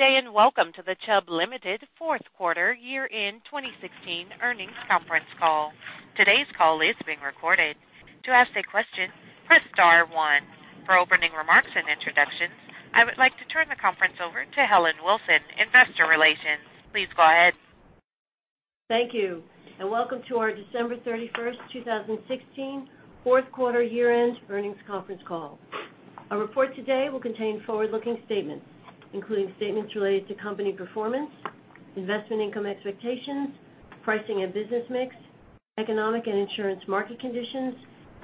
Good day, and welcome to the Chubb Limited fourth quarter year-end 2016 earnings conference call. Today's call is being recorded. To ask a question, press star one. For opening remarks and introductions, I would like to turn the conference over to Karen Beyer, investor relations. Please go ahead. Thank you. Welcome to our December 31st, 2016 fourth quarter year-end earnings conference call. Our report today will contain forward-looking statements, including statements related to company performance, investment income expectations, pricing and business mix, economic and insurance market conditions,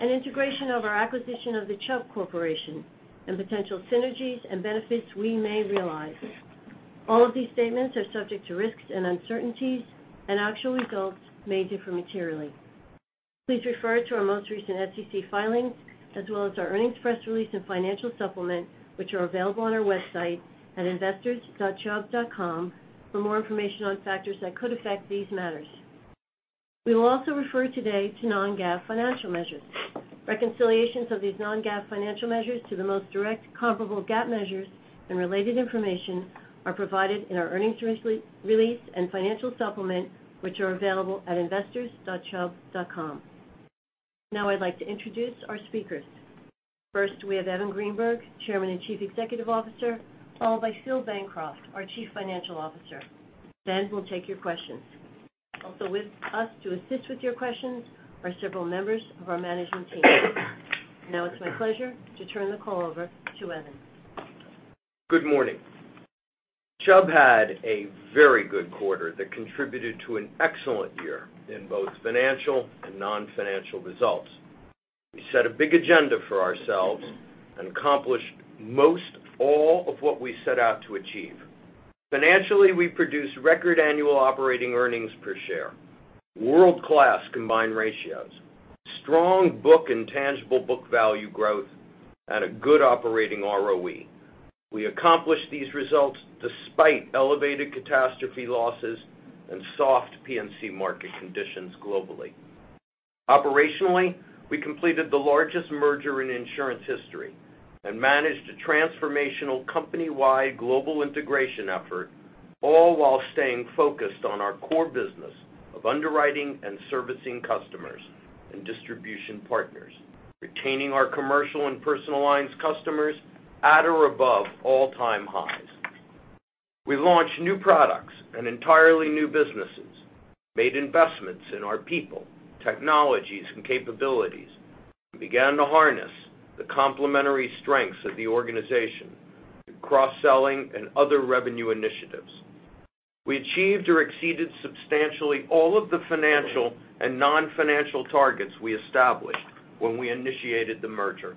and integration of our acquisition of the Chubb Corporation, and potential synergies and benefits we may realize. All of these statements are subject to risks and uncertainties, and actual results may differ materially. Please refer to our most recent SEC filings as well as our earnings press release and financial supplement, which are available on our website at investors.chubb.com for more information on factors that could affect these matters. We will also refer today to non-GAAP financial measures. Reconciliations of these non-GAAP financial measures to the most direct comparable GAAP measures and related information are provided in our earnings release and financial supplement, which are available at investors.chubb.com. Now I'd like to introduce our speakers. First, we have Evan Greenberg, Chairman and Chief Executive Officer, followed by Phil Bancroft, our Chief Financial Officer. We'll take your questions. Also with us to assist with your questions are several members of our management team. Now it's my pleasure to turn the call over to Evan. Good morning. Chubb had a very good quarter that contributed to an excellent year in both financial and non-financial results. We set a big agenda for ourselves and accomplished most all of what we set out to achieve. Financially, we produced record annual operating earnings per share, world-class combined ratios, strong book and tangible book value growth, and a good operating ROE. We accomplished these results despite elevated catastrophe losses and soft P&C market conditions globally. Operationally, we completed the largest merger in insurance history and managed a transformational company-wide global integration effort, all while staying focused on our core business of underwriting and servicing customers and distribution partners, retaining our commercial and personal lines customers at or above all-time highs. We launched new products and entirely new businesses, made investments in our people, technologies, and capabilities, and began to harness the complementary strengths of the organization through cross-selling and other revenue initiatives. We achieved or exceeded substantially all of the financial and non-financial targets we established when we initiated the merger.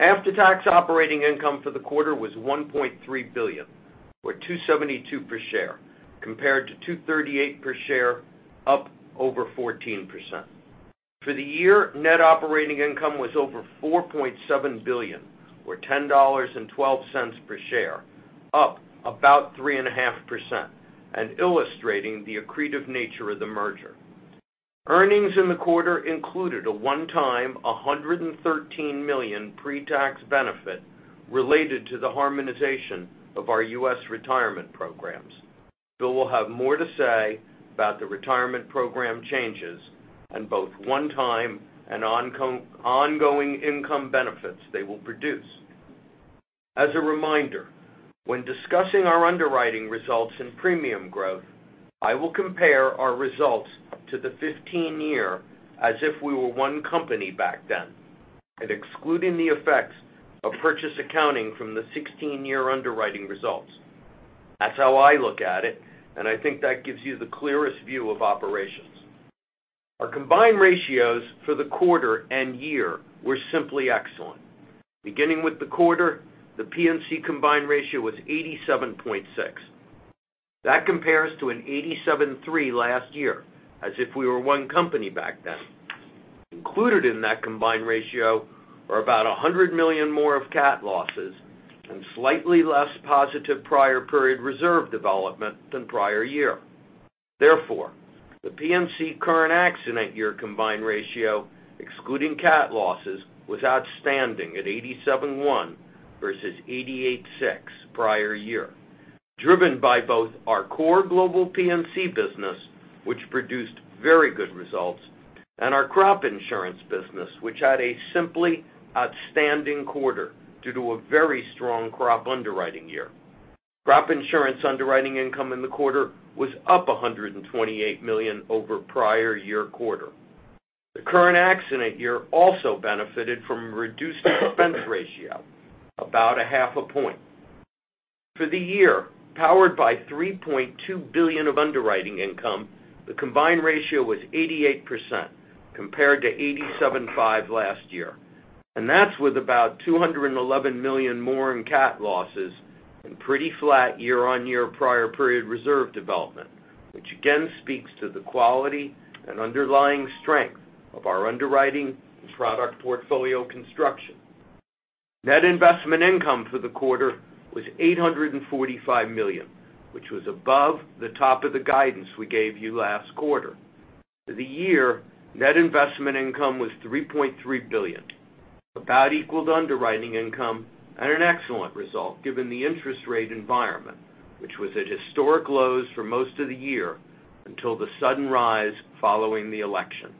After-tax operating income for the quarter was $1.3 billion, or $2.72 per share, compared to $2.38 per share, up over 14%. For the year, net operating income was over $4.7 billion, or $10.12 per share, up about 3.5% and illustrating the accretive nature of the merger. Earnings in the quarter included a one-time, $113 million pre-tax benefit related to the harmonization of our U.S. retirement programs. Phil will have more to say about the retirement program changes and both one-time and ongoing income benefits they will produce. As a reminder, when discussing our underwriting results and premium growth, I will compare our results to the 2015-year as if we were one company back then and excluding the effects of purchase accounting from the 2016-year underwriting results. That's how I look at it, and I think that gives you the clearest view of operations. Our combined ratios for the quarter and year were simply excellent. Beginning with the quarter, the P&C combined ratio was 87.6%. That compares to an 87.3% last year, as if we were one company back then. Included in that combined ratio are about $100 million more of CAT losses and slightly less positive prior period reserve development than prior year. The P&C current accident year combined ratio, excluding CAT losses, was outstanding at 87.1% versus 88.6% prior year, driven by both our core global P&C business, which produced very good results, and our crop insurance business, which had a simply outstanding quarter due to a very strong crop underwriting year. Crop insurance underwriting income in the quarter was up $128 million over prior year quarter. The current accident year also benefited from a reduced expense ratio, about a half a point. For the year, powered by $3.2 billion of underwriting income, the combined ratio was 88% compared to 87.5% last year. That's with about $211 million more in CAT losses and pretty flat year-on-year prior period reserve development, which again speaks to the quality and underlying strength of our underwriting and product portfolio construction. Net investment income for the quarter was $845 million, which was above the top of the guidance we gave you last quarter. For the year, net investment income was $3.3 billion. About equaled underwriting income and an excellent result given the interest rate environment, which was at historic lows for most of the year until the sudden rise following the election.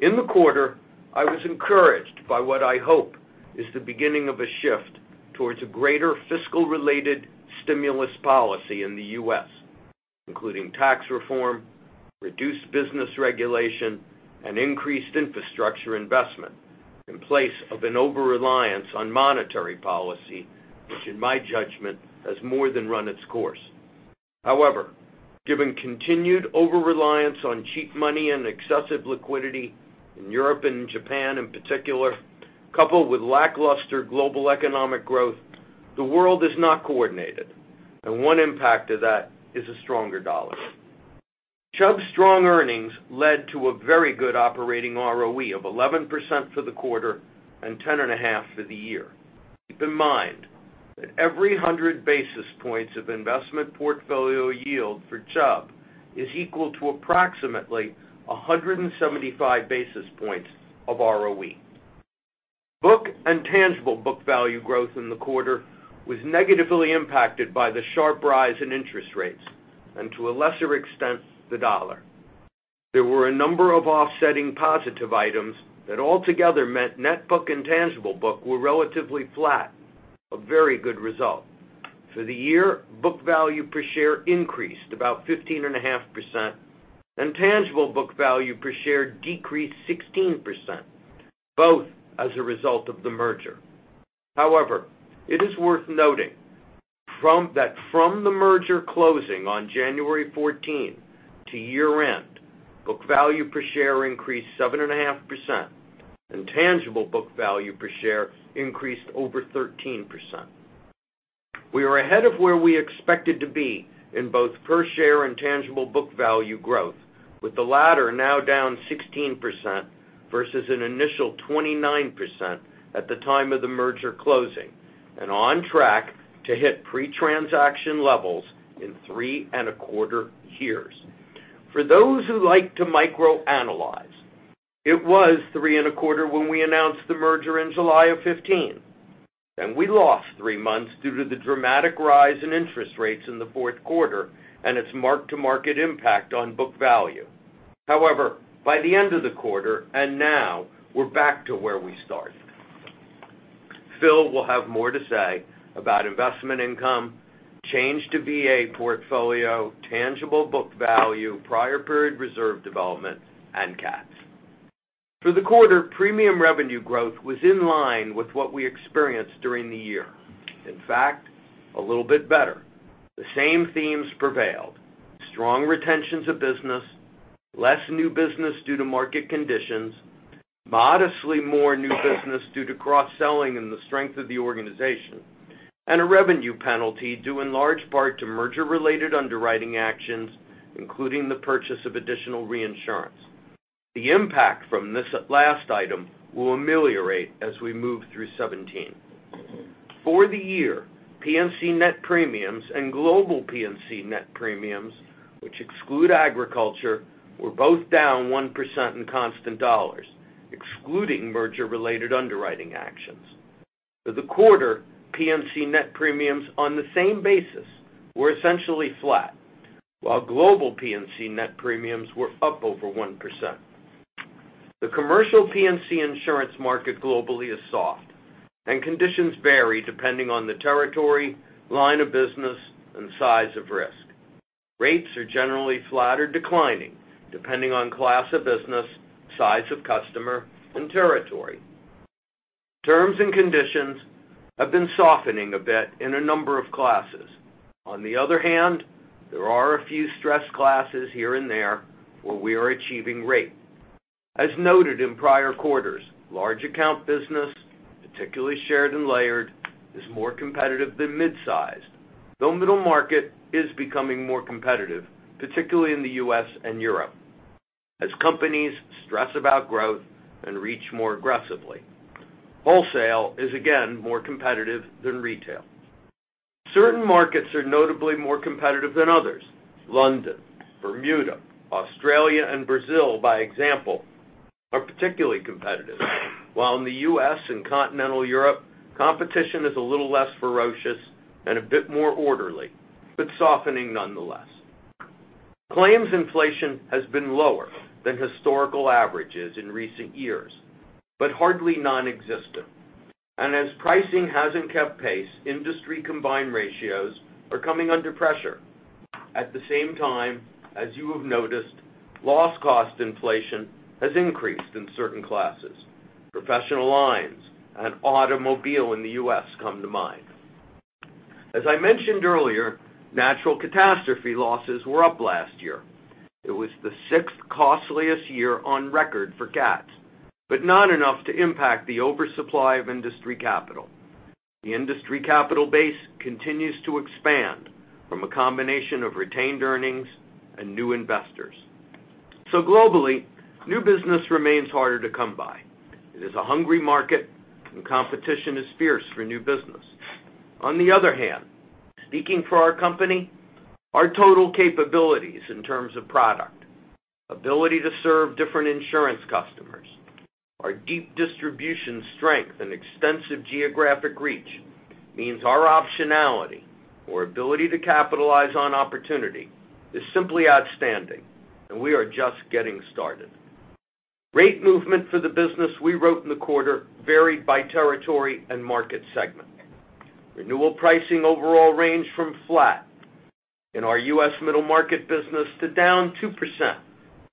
In the quarter, I was encouraged by what I hope is the beginning of a shift towards a greater fiscal related stimulus policy in the U.S., including tax reform, reduced business regulation, and increased infrastructure investment in place of an overreliance on monetary policy, which in my judgment, has more than run its course. Given continued overreliance on cheap money and excessive liquidity in Europe and Japan in particular, coupled with lackluster global economic growth, the world is not coordinated, and one impact of that is a stronger dollar. Chubb's strong earnings led to a very good operating ROE of 11% for the quarter and 10.5% for the year. Keep in mind that every 100 basis points of investment portfolio yield for Chubb is equal to approximately 175 basis points of ROE. Book and tangible book value growth in the quarter was negatively impacted by the sharp rise in interest rates, and to a lesser extent, the dollar. There were a number of offsetting positive items that altogether meant net book and tangible book were relatively flat, a very good result. For the year, book value per share increased about 15.5%, and tangible book value per share decreased 16%, both as a result of the merger. It is worth noting that from the merger closing on January 14 to year-end, book value per share increased 7.5% and tangible book value per share increased over 13%. We are ahead of where we expected to be in both per share and tangible book value growth, with the latter now down 16% versus an initial 29% at the time of the merger closing, and on track to hit pre-transaction levels in three and a quarter years. For those who like to microanalyze, it was three and a quarter when we announced the merger in July of 2015, then we lost three months due to the dramatic rise in interest rates in the fourth quarter and its mark-to-market impact on book value. By the end of the quarter, and now we're back to where we started. Phil will have more to say about investment income, change to VA portfolio, tangible book value, prior period reserve development, and CATS. For the quarter, premium revenue growth was in line with what we experienced during the year. In fact, a little bit better. The same themes prevailed. Strong retentions of business, less new business due to market conditions, modestly more new business due to cross-selling and the strength of the organization, and a revenue penalty due in large part to merger-related underwriting actions, including the purchase of additional reinsurance. The impact from this last item will ameliorate as we move through 2017. For the year, P&C net premiums and global P&C net premiums, which exclude agriculture, were both down 1% in constant dollars, excluding merger-related underwriting actions. For the quarter, P&C net premiums on the same basis were essentially flat, while global P&C net premiums were up over 1%. The commercial P&C insurance market globally is soft and conditions vary depending on the territory, line of business, and size of risk. Rates are generally flat or declining, depending on class of business, size of customer, and territory. Terms and conditions have been softening a bit in a number of classes. On the other hand, there are a few stress classes here and there where we are achieving rate. As noted in prior quarters, large account business, particularly shared and layered, is more competitive than mid-sized, though middle market is becoming more competitive, particularly in the U.S. and Europe as companies stress about growth and reach more aggressively. Wholesale is again more competitive than retail. Certain markets are notably more competitive than others. London, Bermuda, Australia, and Brazil, by example, are particularly competitive. While in the U.S. and continental Europe, competition is a little less ferocious and a bit more orderly, but softening nonetheless. Claims inflation has been lower than historical averages in recent years, but hardly nonexistent. As pricing hasn't kept pace, industry combined ratios are coming under pressure. At the same time, as you have noticed, loss cost inflation has increased in certain classes. Professional lines and automobile in the U.S. come to mind. As I mentioned earlier, natural catastrophe losses were up last year. It was the sixth costliest year on record for CATS, but not enough to impact the oversupply of industry capital. The industry capital base continues to expand from a combination of retained earnings and new investors. Globally, new business remains harder to come by. It is a hungry market and competition is fierce for new business. On the other hand, speaking for our company, our total capabilities in terms of product Ability to serve different insurance customers. Our deep distribution strength and extensive geographic reach means our optionality or ability to capitalize on opportunity is simply outstanding, and we are just getting started. Rate movement for the business we wrote in the quarter varied by territory and market segment. Renewal pricing overall ranged from flat in our U.S. middle market business to down 2%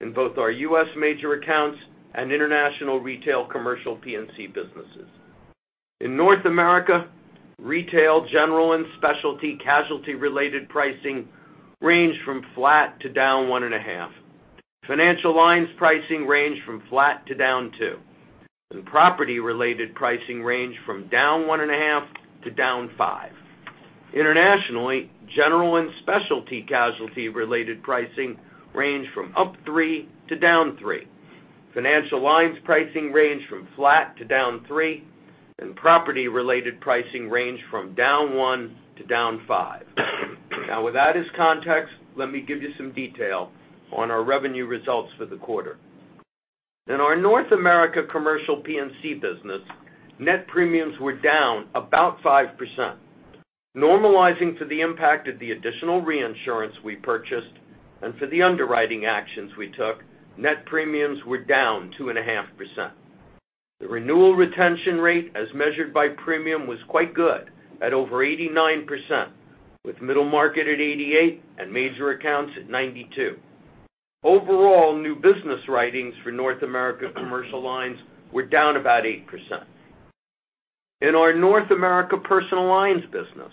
in both our U.S. major accounts and international retail commercial P&C businesses. In North America, retail, general and specialty casualty related pricing ranged from flat to down 1.5%. Financial lines pricing ranged from flat to down 2%, and property related pricing ranged from down 1.5%-5%. Internationally, general and specialty casualty related pricing ranged from up 3% to down 3%. Financial lines pricing ranged from flat to down 3%, and property related pricing ranged from down 1%-5%. With that as context, let me give you some detail on our revenue results for the quarter. In our North America commercial P&C business, net premiums were down about 5%. Normalizing for the impact of the additional reinsurance we purchased and for the underwriting actions we took, net premiums were down 2.5%. The renewal retention rate, as measured by premium, was quite good at over 89%, with middle market at 88% and major accounts at 92%. Overall, new business writings for North America commercial lines were down about 8%. In our North America personal lines business,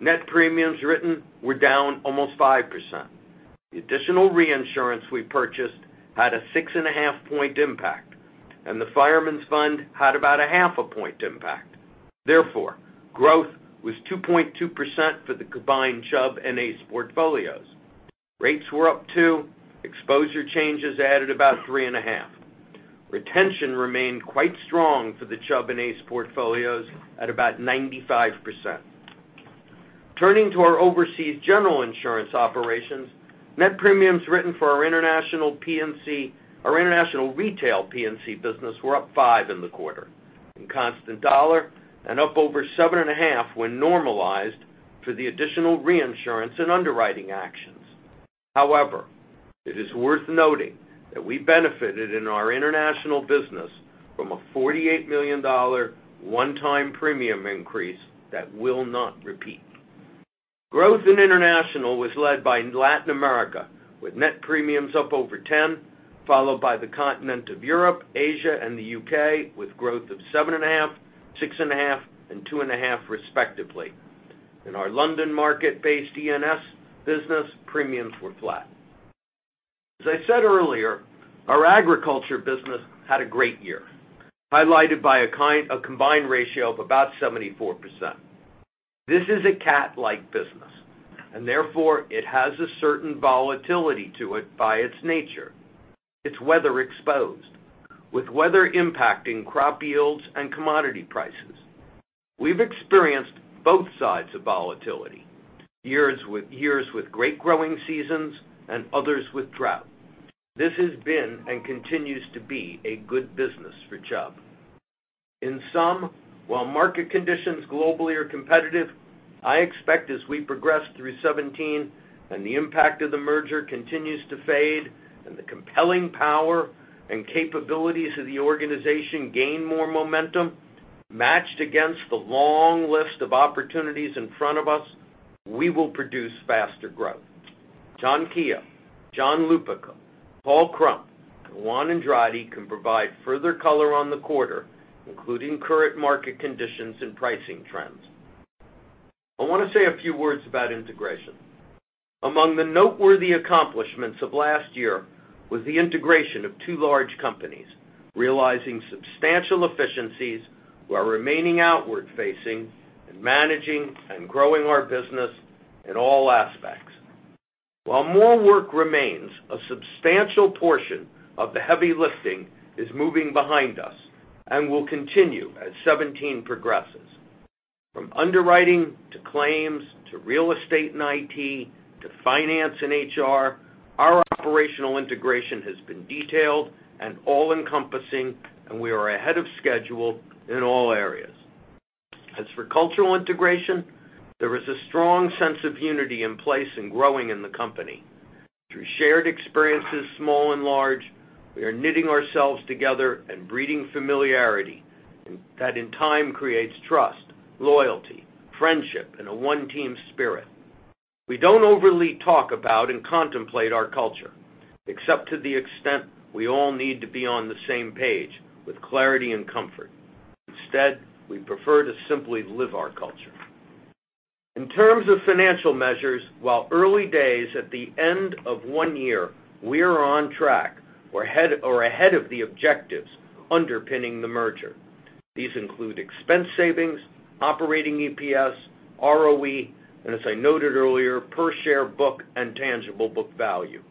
net premiums written were down almost 5%. The additional reinsurance we purchased had a 6.5 point impact, and the Fireman's Fund had about a half a point impact. Therefore, growth was 2.2% for the combined Chubb and ACE portfolios. Rates were up 2%, exposure changes added about 3.5%. Retention remained quite strong for the Chubb and ACE portfolios at about 95%. Turning to our overseas general insurance operations, net premiums written for our international retail P&C business were up 5% in the quarter in constant dollar and up over 7.5% when normalized for the additional reinsurance and underwriting actions. However, it is worth noting that we benefited in our international business from a $48 million one-time premium increase that will not repeat. Growth in international was led by Latin America, with net premiums up over 10%, followed by the continent of Europe, Asia, and the U.K., with growth of 7.5%, 6.5%, and 2.5%, respectively. In our London market-based E&S business, premiums were flat. As I said earlier, our agriculture business had a great year, highlighted by a combined ratio of about 74%. This is a cat-like business, and therefore it has a certain volatility to it by its nature. It's weather exposed, with weather impacting crop yields and commodity prices. We've experienced both sides of volatility, years with great growing seasons and others with drought. This has been and continues to be a good business for Chubb. In sum, while market conditions globally are competitive, I expect as we progress through 2017 and the impact of the merger continues to fade, and the compelling power and capabilities of the organization gain more momentum, matched against the long list of opportunities in front of us, we will produce faster growth. John Keogh, John Lupica, Paul Krump, and Juan Andrade can provide further color on the quarter, including current market conditions and pricing trends. I want to say a few words about integration. Among the noteworthy accomplishments of last year was the integration of two large companies, realizing substantial efficiencies while remaining outward facing and managing and growing our business in all aspects. While more work remains, a substantial portion of the heavy lifting is moving behind us and will continue as 2017 progresses. From underwriting to claims, to real estate and IT, to finance and HR, our operational integration has been detailed and all encompassing, and we are ahead of schedule in all areas. As for cultural integration, there is a strong sense of unity in place and growing in the company. Through shared experiences, small and large, we are knitting ourselves together and breeding familiarity that in time creates trust, loyalty, friendship, and a one-team spirit. We don't overly talk about and contemplate our culture, except to the extent we all need to be on the same page with clarity and comfort. Instead, we prefer to simply live our culture. In terms of financial measures, while early days at the end of one year, we are on track or ahead of the objectives underpinning the merger. These include expense savings, operating EPS, ROE, and as I noted earlier, per share book and tangible book value.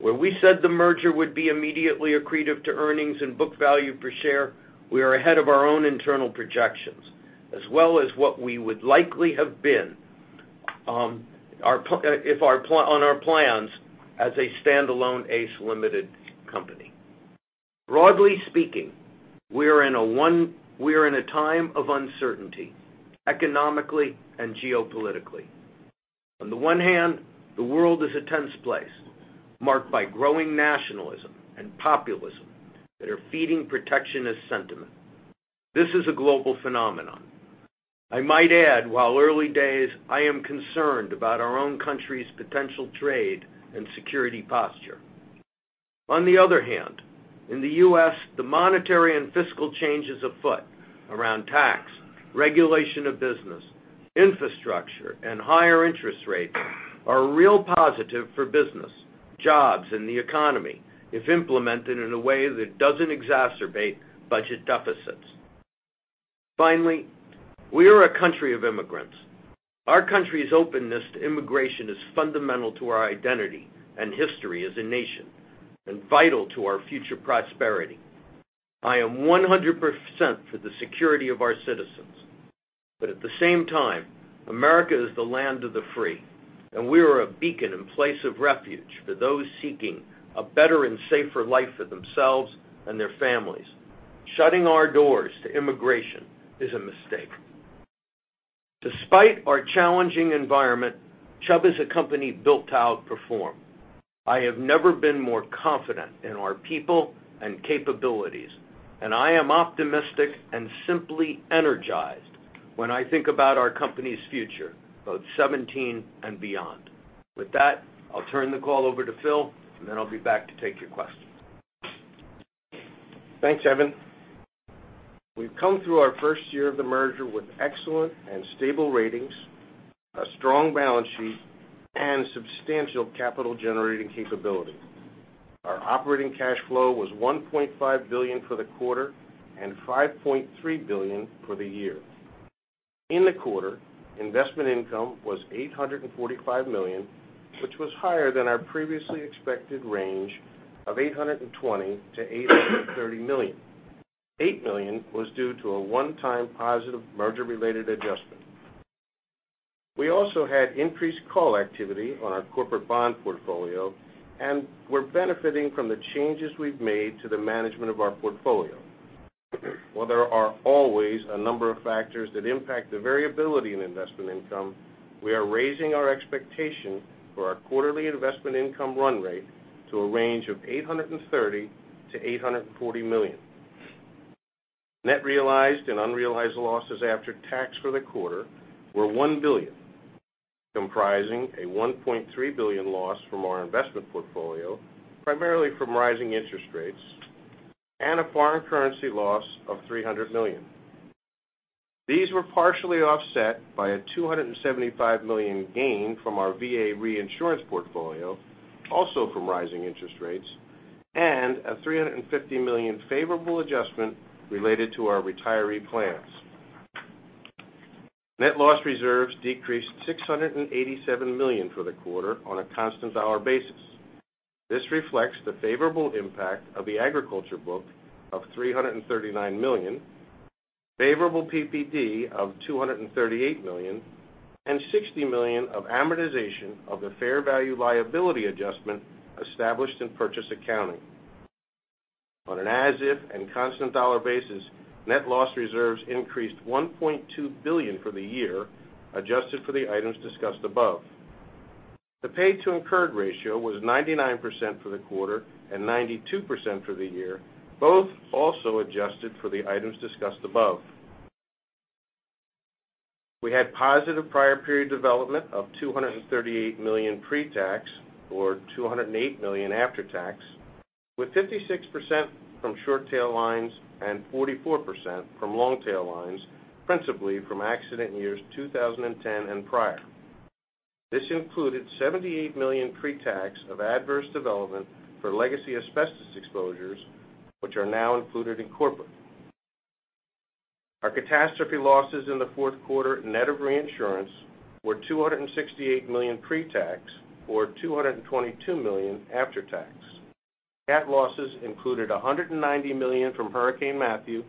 Where we said the merger would be immediately accretive to earnings and book value per share, we are ahead of our own internal projections, as well as what we would likely have been on our plans as a standalone ACE Limited company. Broadly speaking, we are in a time of uncertainty, economically and geopolitically. On the one hand, the world is a tense place, marked by growing nationalism and populism that are feeding protectionist sentiment. This is a global phenomenon. I might add, while early days, I am concerned about our own country's potential trade and security posture. On the other hand, in the U.S., the monetary and fiscal changes afoot around tax, regulation of business, infrastructure, and higher interest rates are a real positive for business, jobs, and the economy if implemented in a way that doesn't exacerbate budget deficits. Finally, we are a country of immigrants. Our country's openness to immigration is fundamental to our identity and history as a nation, and vital to our future prosperity. I am 100% for the security of our citizens. At the same time, America is the land of the free, and we are a beacon and place of refuge for those seeking a better and safer life for themselves and their families. Shutting our doors to immigration is a mistake. Despite our challenging environment, Chubb is a company built to outperform. I have never been more confident in our people and capabilities. I am optimistic and simply energized when I think about our company's future, both 2017 and beyond. With that, I'll turn the call over to Phil. Then I'll be back to take your questions. Thanks, Evan. We've come through our first year of the merger with excellent and stable ratings, a strong balance sheet, and substantial capital-generating capability. Our operating cash flow was $1.5 billion for the quarter and $5.3 billion for the year. In the quarter, investment income was $845 million, which was higher than our previously expected range of $820 million to $830 million. $8 million was due to a one-time positive merger-related adjustment. We also had increased call activity on our corporate bond portfolio, and we're benefiting from the changes we've made to the management of our portfolio. While there are always a number of factors that impact the variability in investment income, we are raising our expectation for our quarterly investment income run rate to a range of $830 million to $840 million. Net realized and unrealized losses after tax for the quarter were $1 billion, comprising a $1.3 billion loss from our investment portfolio, primarily from rising interest rates, and a foreign currency loss of $300 million. These were partially offset by a $275 million gain from our VA reinsurance portfolio, also from rising interest rates, and a $350 million favorable adjustment related to our retiree plans. Net loss reserves decreased $687 million for the quarter on a constant dollar basis. This reflects the favorable impact of the agriculture book of $339 million, favorable PPD of $238 million, and $60 million of amortization of the fair value liability adjustment established in purchase accounting. On an as-if and constant dollar basis, net loss reserves increased $1.2 billion for the year, adjusted for the items discussed above. The paid to incurred ratio was 99% for the quarter and 92% for the year, both also adjusted for the items discussed above. We had positive prior period development of $238 million pre-tax, or $208 million after tax, with 56% from short tail lines and 44% from long tail lines, principally from accident years 2010 and prior. This included $78 million pre-tax of adverse development for legacy asbestos exposures, which are now included in corporate. Our catastrophe losses in the fourth quarter, net of reinsurance, were $268 million pre-tax, or $222 million after tax. Cat losses included $190 million from Hurricane Matthew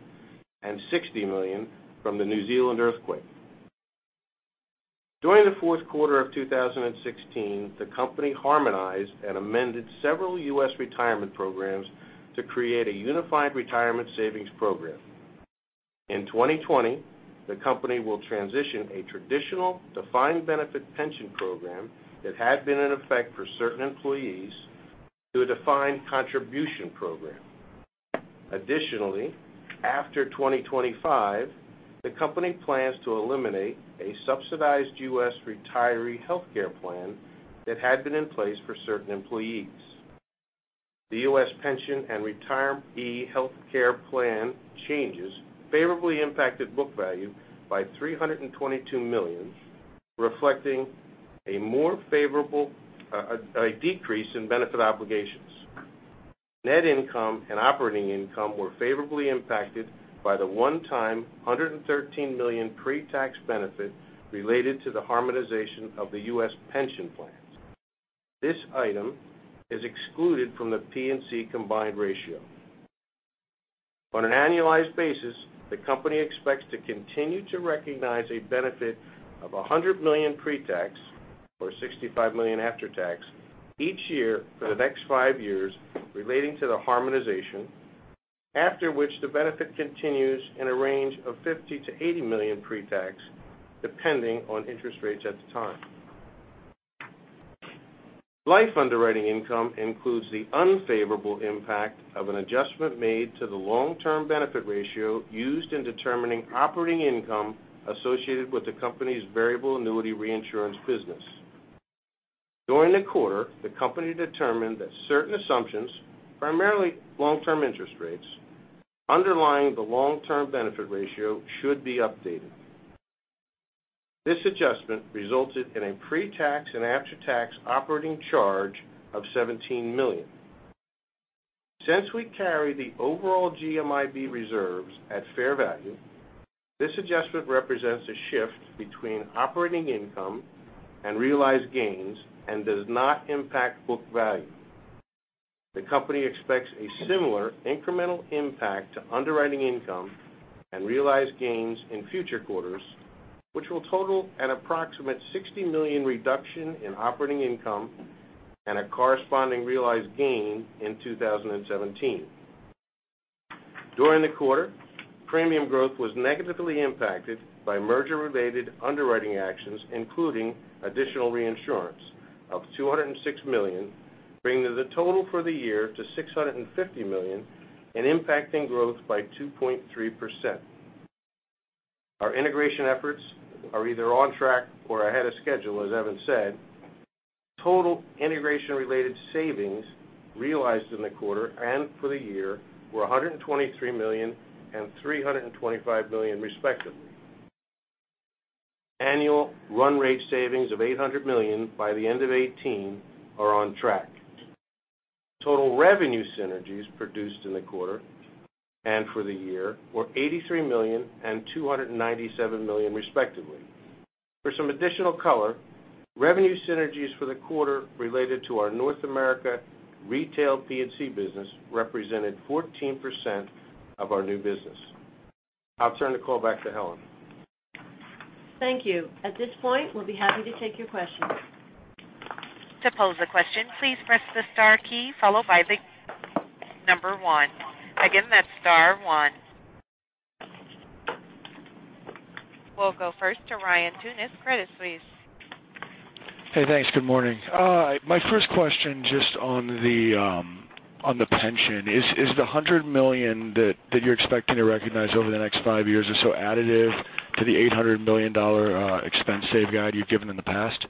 and $60 million from the New Zealand earthquake. During the fourth quarter of 2016, the company harmonized and amended several U.S. retirement programs to create a unified retirement savings program. In 2020, the company will transition a traditional defined benefit pension program that had been in effect for certain employees to a defined contribution program. Additionally, after 2025, the company plans to eliminate a subsidized U.S. retiree healthcare plan that had been in place for certain employees. The U.S. pension and retiree healthcare plan changes favorably impacted book value by $322 million, reflecting a decrease in benefit obligations. Net income and operating income were favorably impacted by the one-time $113 million pre-tax benefit related to the harmonization of the U.S. pension plans. This item is excluded from the P&C combined ratio. On an annualized basis, the company expects to continue to recognize a benefit of $100 million pre-tax, or $65 million after tax, each year for the next five years relating to the harmonization, after which the benefit continues in a range of $50 million-$80 million pre-tax, depending on interest rates at the time. Life underwriting income includes the unfavorable impact of an adjustment made to the long-term benefit ratio used in determining operating income associated with the company's variable annuity reinsurance business. During the quarter, the company determined that certain assumptions, primarily long-term interest rates, underlying the long-term benefit ratio should be updated. This adjustment resulted in a pre-tax and after-tax operating charge of $17 million. Since we carry the overall GMIB reserves at fair value, this adjustment represents a shift between operating income and realized gains and does not impact book value. The company expects a similar incremental impact to underwriting income and realized gains in future quarters, which will total an approximate $60 million reduction in operating income and a corresponding realized gain in 2017. During the quarter, premium growth was negatively impacted by merger-related underwriting actions, including additional reinsurance of $206 million, bringing the total for the year to $650 million and impacting growth by 2.3%. Our integration efforts are either on track or ahead of schedule, as Evan said. Total integration-related savings realized in the quarter and for the year were $123 million and $325 million respectively. Annual run rate savings of $800 million by the end of 2018 are on track. Total revenue synergies produced in the quarter and for the year were $83 million and $297 million respectively. For some additional color, revenue synergies for the quarter related to our North America retail P&C business represented 14% of our new business. I'll turn the call back to Helen. Thank you. At this point, we'll be happy to take your questions. To pose a question, please press the star key followed by the number 1. Again, that's star one. We'll go first to Ryan Tunis, Credit Suisse. Hey, thanks. Good morning. My first question, just on the pension. Is the $100 million that you're expecting to recognize over the next five years or so additive to the $800 million expense save guide you've given in the past?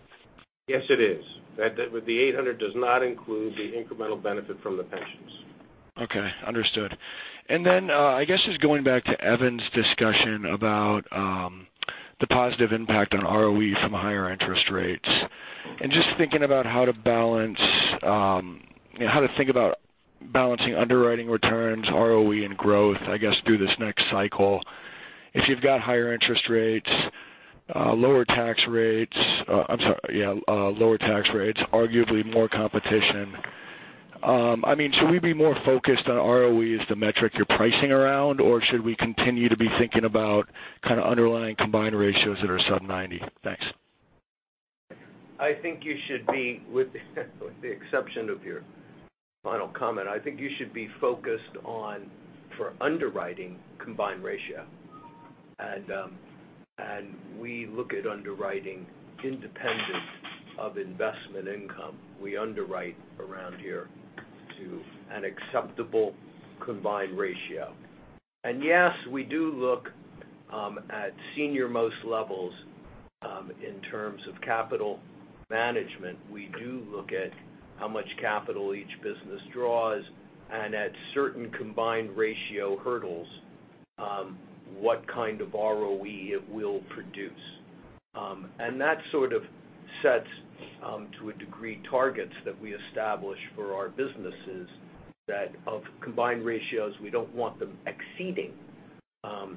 Yes, it is. The $800 does not include the incremental benefit from the pensions. Okay. Understood. Then, I guess just going back to Evan's discussion about the positive impact on ROE from higher interest rates, just thinking about how to think about balancing underwriting returns, ROE, and growth, I guess, through this next cycle. If you've got higher interest rates, lower tax rates, arguably more competition, should we be more focused on ROE as the metric you're pricing around, or should we continue to be thinking about kind of underlying combined ratios that are sub-90%? Thanks. I think you should be, with the exception of your final comment, I think you should be focused on for underwriting combined ratio. We look at underwriting independent of investment income. We underwrite around here to an acceptable combined ratio. Yes, we do look at senior most levels in terms of capital management. We do look at how much capital each business draws, and at certain combined ratio hurdles, what kind of ROE it will produce. That sort of sets, to a degree, targets that we establish for our businesses that of combined ratios, we don't want them exceeding. If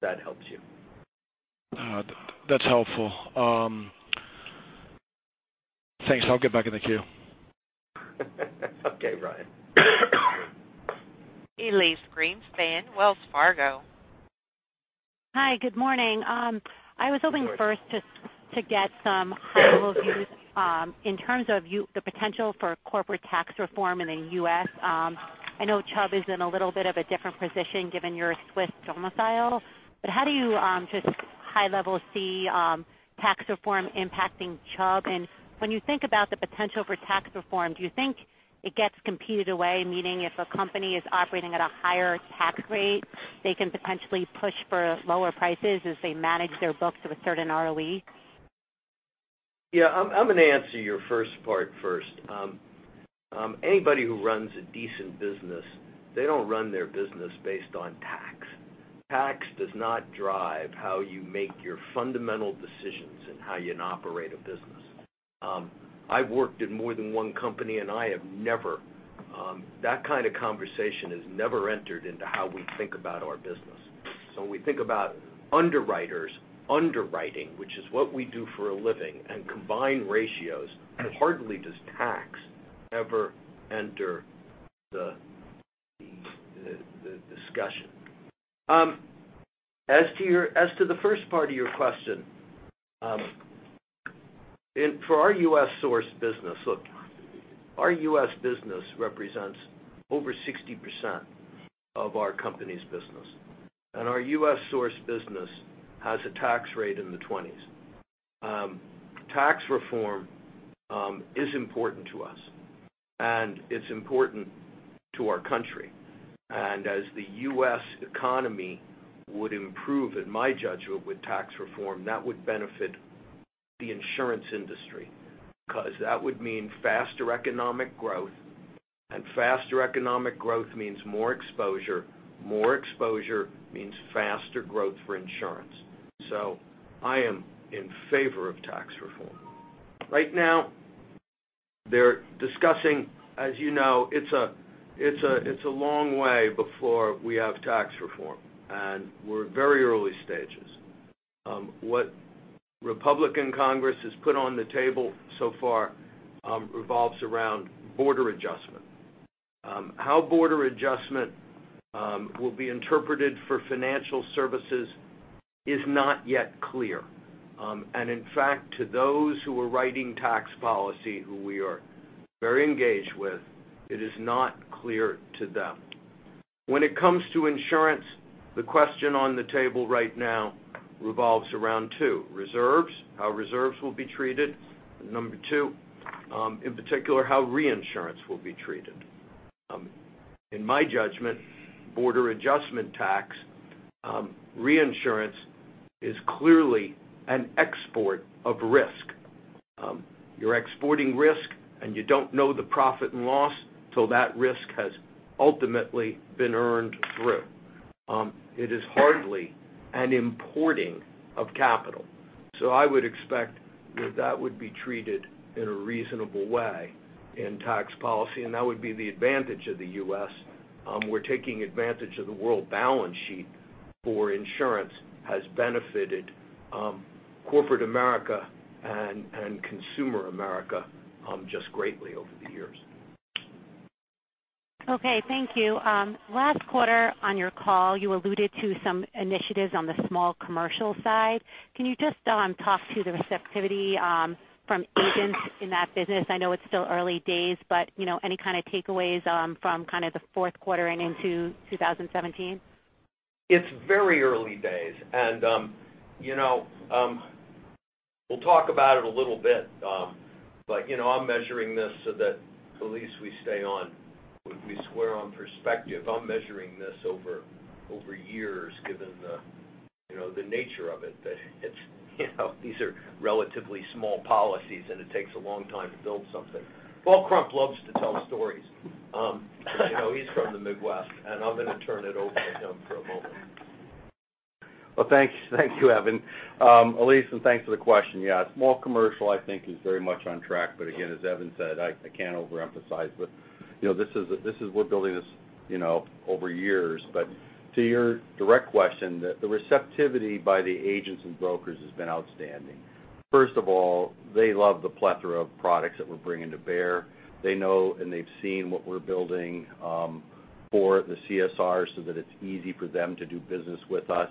that helps you. That's helpful. Thanks. I'll get back in the queue. Okay, Ryan. Elyse Greenspan, Wells Fargo. Hi. Good morning. I was hoping first to get some high-level views in terms of the potential for corporate tax reform in the U.S. I know Chubb is in a little bit of a different position given your Swiss domicile, but how do you just high level see tax reform impacting Chubb? When you think about the potential for tax reform, do you think it gets competed away, meaning if a company is operating at a higher tax rate, they can potentially push for lower prices as they manage their books of a certain ROE? Yeah, I'm going to answer your first part first. Anybody who runs a decent business, they don't run their business based on tax. Tax does not drive how you make your fundamental decisions and how you operate a business. I've worked in more than one company, that kind of conversation has never entered into how we think about our business. When we think about underwriters underwriting, which is what we do for a living, and combine ratios, hardly does tax ever enter the discussion. As to the first part of your question, for our U.S. source business. Look, our U.S. business represents over 60% of our company's business, and our U.S. source business has a tax rate in the 20s. Tax reform is important to us, and it's important to our country. As the U.S. economy would improve, in my judgment, with tax reform, that would benefit the insurance industry, because that would mean faster economic growth, and faster economic growth means more exposure. More exposure means faster growth for insurance. I am in favor of tax reform. Right now, they're discussing, as you know, it's a long way before we have tax reform, and we're at very early stages. What Republican Congress has put on the table so far revolves around border adjustment. How border adjustment will be interpreted for financial services is not yet clear. In fact, to those who are writing tax policy, who we are very engaged with, it is not clear to them. When it comes to insurance, the question on the table right now revolves around two. Reserves, how reserves will be treated. Number 2, in particular, how reinsurance will be treated. In my judgment, border adjustment tax, reinsurance is clearly an export of risk. You're exporting risk, and you don't know the profit and loss till that risk has ultimately been earned through. It is hardly an importing of capital. I would expect that that would be treated in a reasonable way in tax policy, and that would be the advantage of the U.S., where taking advantage of the world balance sheet for insurance has benefited corporate America and consumer America just greatly over the years. Okay, thank you. Last quarter on your call, you alluded to some initiatives on the small commercial side. Can you just talk to the receptivity from agents in that business? I know it's still early days, but any kind of takeaways from the fourth quarter and into 2017? It's very early days. We'll talk about it a little bit. I'm measuring this so that, Elyse, we square on perspective. I'm measuring this over years given the nature of it. These are relatively small policies, and it takes a long time to build something. Paul Krump loves to tell stories. He's from the Midwest. I'm going to turn it over to him for a moment. Well, thank you, Evan. Elyse, thanks for the question. Small commercial, I think, is very much on track. Again, as Evan said, I can't overemphasize, but we're building this over years. To your direct question, the receptivity by the agents and brokers has been outstanding. First of all, they love the plethora of products that we're bringing to bear. They know and they've seen what we're building for the CSR so that it's easy for them to do business with us.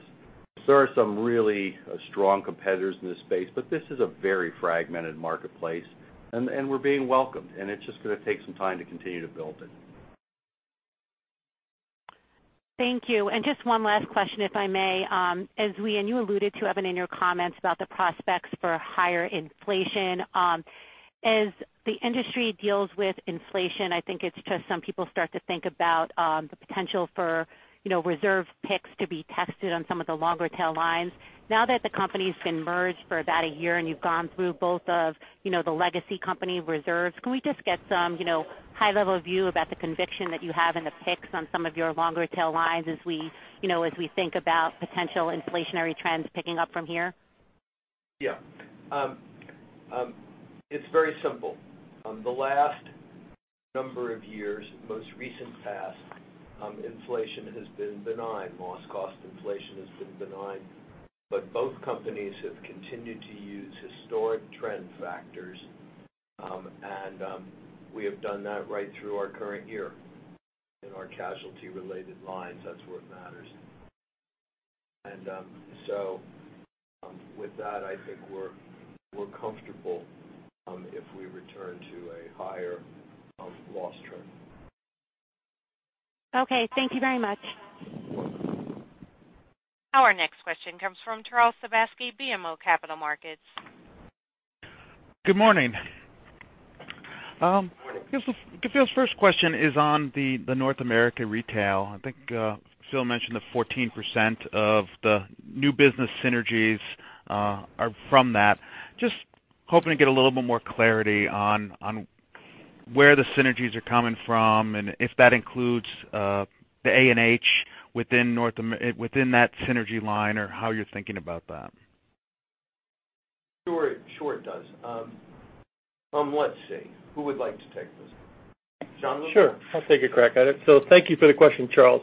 There are some really strong competitors in this space, but this is a very fragmented marketplace. We're being welcomed, and it's just going to take some time to continue to build it. Thank you. Just one last question, if I may. You alluded to, Evan, in your comments about the prospects for higher inflation. As the industry deals with inflation, I think it's just some people start to think about the potential for reserve picks to be tested on some of the longer tail lines. Now that the company's been merged for about a year and you've gone through both of the legacy company reserves, can we just get some high level view about the conviction that you have in the picks on some of your longer tail lines as we think about potential inflationary trends picking up from here? It's very simple. The last number of years, most recent past, inflation has been benign. Loss cost inflation has been benign. Both companies have continued to use historic trend factors, and we have done that right through our current year in our casualty related lines. That's what matters. With that, I think we're comfortable if we return to a higher loss trend. Okay. Thank you very much. Our next question comes from Charles Sebaski, BMO Capital Markets. Good morning. Morning. I guess the first question is on the North America retail. I think Phil mentioned the 14% of the new business synergies are from that. Just hoping to get a little bit more clarity on where the synergies are coming from and if that includes the A&H within that synergy line or how you're thinking about that. Sure it does. Let's see, who would like to take this one? John, will you? Thank you for the question, Charles.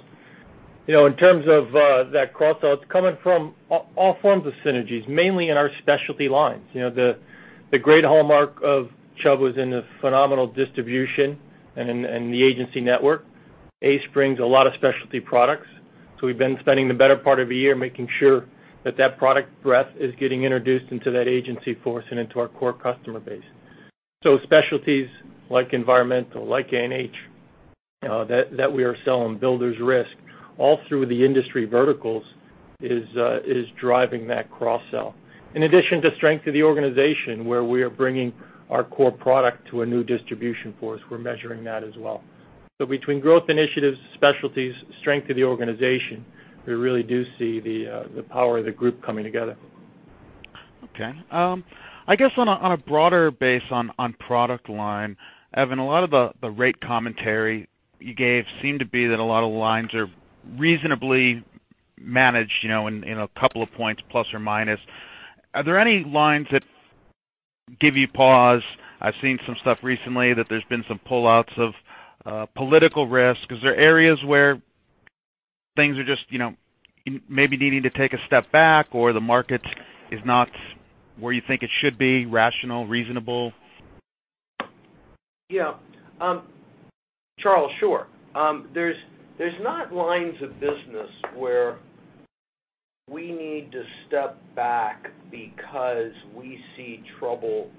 In terms of that cross-sell, it's coming from all forms of synergies, mainly in our specialty lines. The great hallmark of Chubb was in the phenomenal distribution and the agency network. ACE brings a lot of specialty products. We've been spending the better part of a year making sure that product breadth is getting introduced into that agency force and into our core customer base. Specialties like environmental, like A&H, that we are selling builder's risk all through the industry verticals is driving that cross-sell. In addition to strength of the organization, where we are bringing our core product to a new distribution force, we're measuring that as well. Between growth initiatives, specialties, strength of the organization, we really do see the power of the group coming together. Okay. I guess on a broader base on product line, Evan, a lot of the rate commentary you gave seemed to be that a lot of lines are reasonably managed in two points plus or minus. Are there any lines that give you pause? I've seen some stuff recently that there's been some pull-outs of political risk. Is there areas where things are just maybe needing to take a step back or the market is not where you think it should be rational, reasonable? Yeah. Charles, sure. There's not lines of business where we need to step back because we see trouble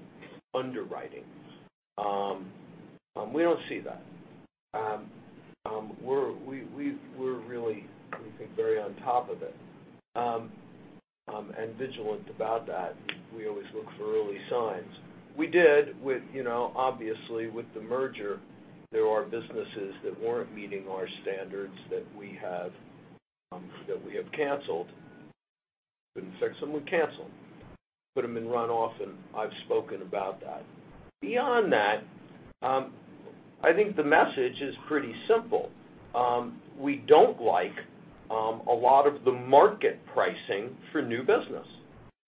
underwriting. We don't see that. We're really, we think, very on top of it, and vigilant about that. We always look for early signs. We did, obviously, with the merger, there are businesses that weren't meeting our standards that we have canceled. Couldn't fix them, we canceled. Put them in runoff, and I've spoken about that. Beyond that, I think the message is pretty simple. We don't like a lot of the market pricing for new business.